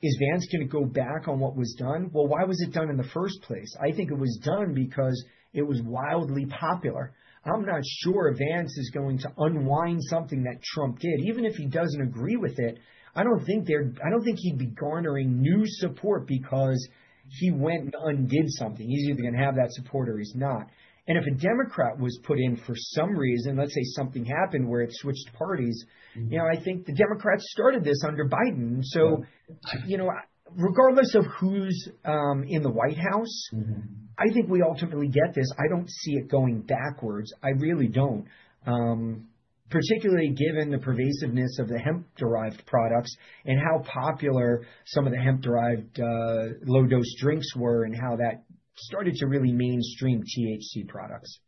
Is Vance gonna go back on what was done? Well, why was it done in the first place? I think it was done because it was wildly popular. I'm not sure Vance is going to unwind something that Trump did. Even if he doesn't agree with it, I don't think he'd be garnering new support because he went and undid something. He's either gonna have that support or he's not. And if a Democrat was put in for some reason, let's say something happened where it switched parties— Mm-hmm. You know, I think the Democrats started this under Biden. Yeah. You know, regardless of who's in the White House— Mm-hmm. I think we ultimately get this. I don't see it going backwards. I really don't, particularly given the pervasiveness of the hemp-derived products and how popular some of the hemp-derived, low-dose drinks were and how that started to really mainstream THC products.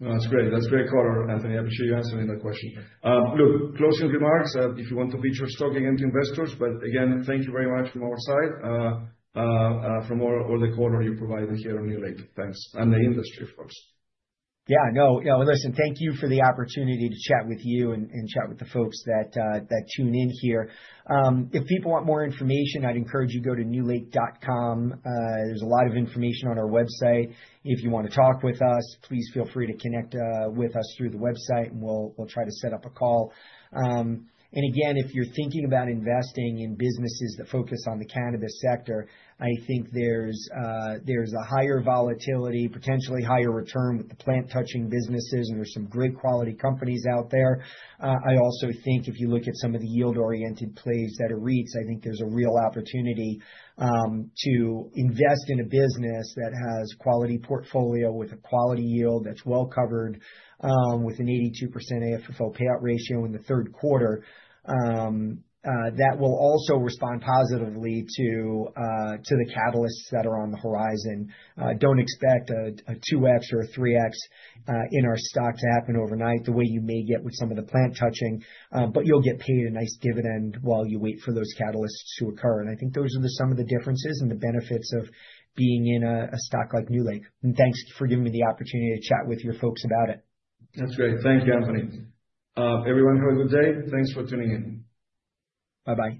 That's great. That's a great color, Anthony. I appreciate you answering that question. Look, closing remarks, if you want to pitch or talk again to investors, but again, thank you very much from our side, from all, all the color you provided here on NewLake. Thanks, and the industry, of course. Yeah, no, you know, listen, thank you for the opportunity to chat with you and chat with the folks that tune in here. If people want more information, I'd encourage you go to newlake.com. There's a lot of information on our website. If you want to talk with us, please feel free to connect with us through the website, and we'll try to set up a call. And again, if you're thinking about investing in businesses that focus on the cannabis sector, I think there's a higher volatility, potentially higher return with the plant-touching businesses, and there's some great quality companies out there. I also think if you look at some of the yield-oriented plays that are REITs, I think there's a real opportunity to invest in a business that has quality portfolio with a quality yield that's well covered with an 82% AFFO payout ratio in the third quarter. That will also respond positively to the catalysts that are on the horizon. Don't expect a 2x or a 3x in our stock to happen overnight, the way you may get with some of the plant touching. But you'll get paid a nice dividend while you wait for those catalysts to occur. And I think those are the some of the differences and the benefits of being in a stock like NewLake. And thanks for giving me the opportunity to chat with your folks about it. That's great. Thank you, Anthony. Everyone, have a good day. Thanks for tuning in. Bye-bye.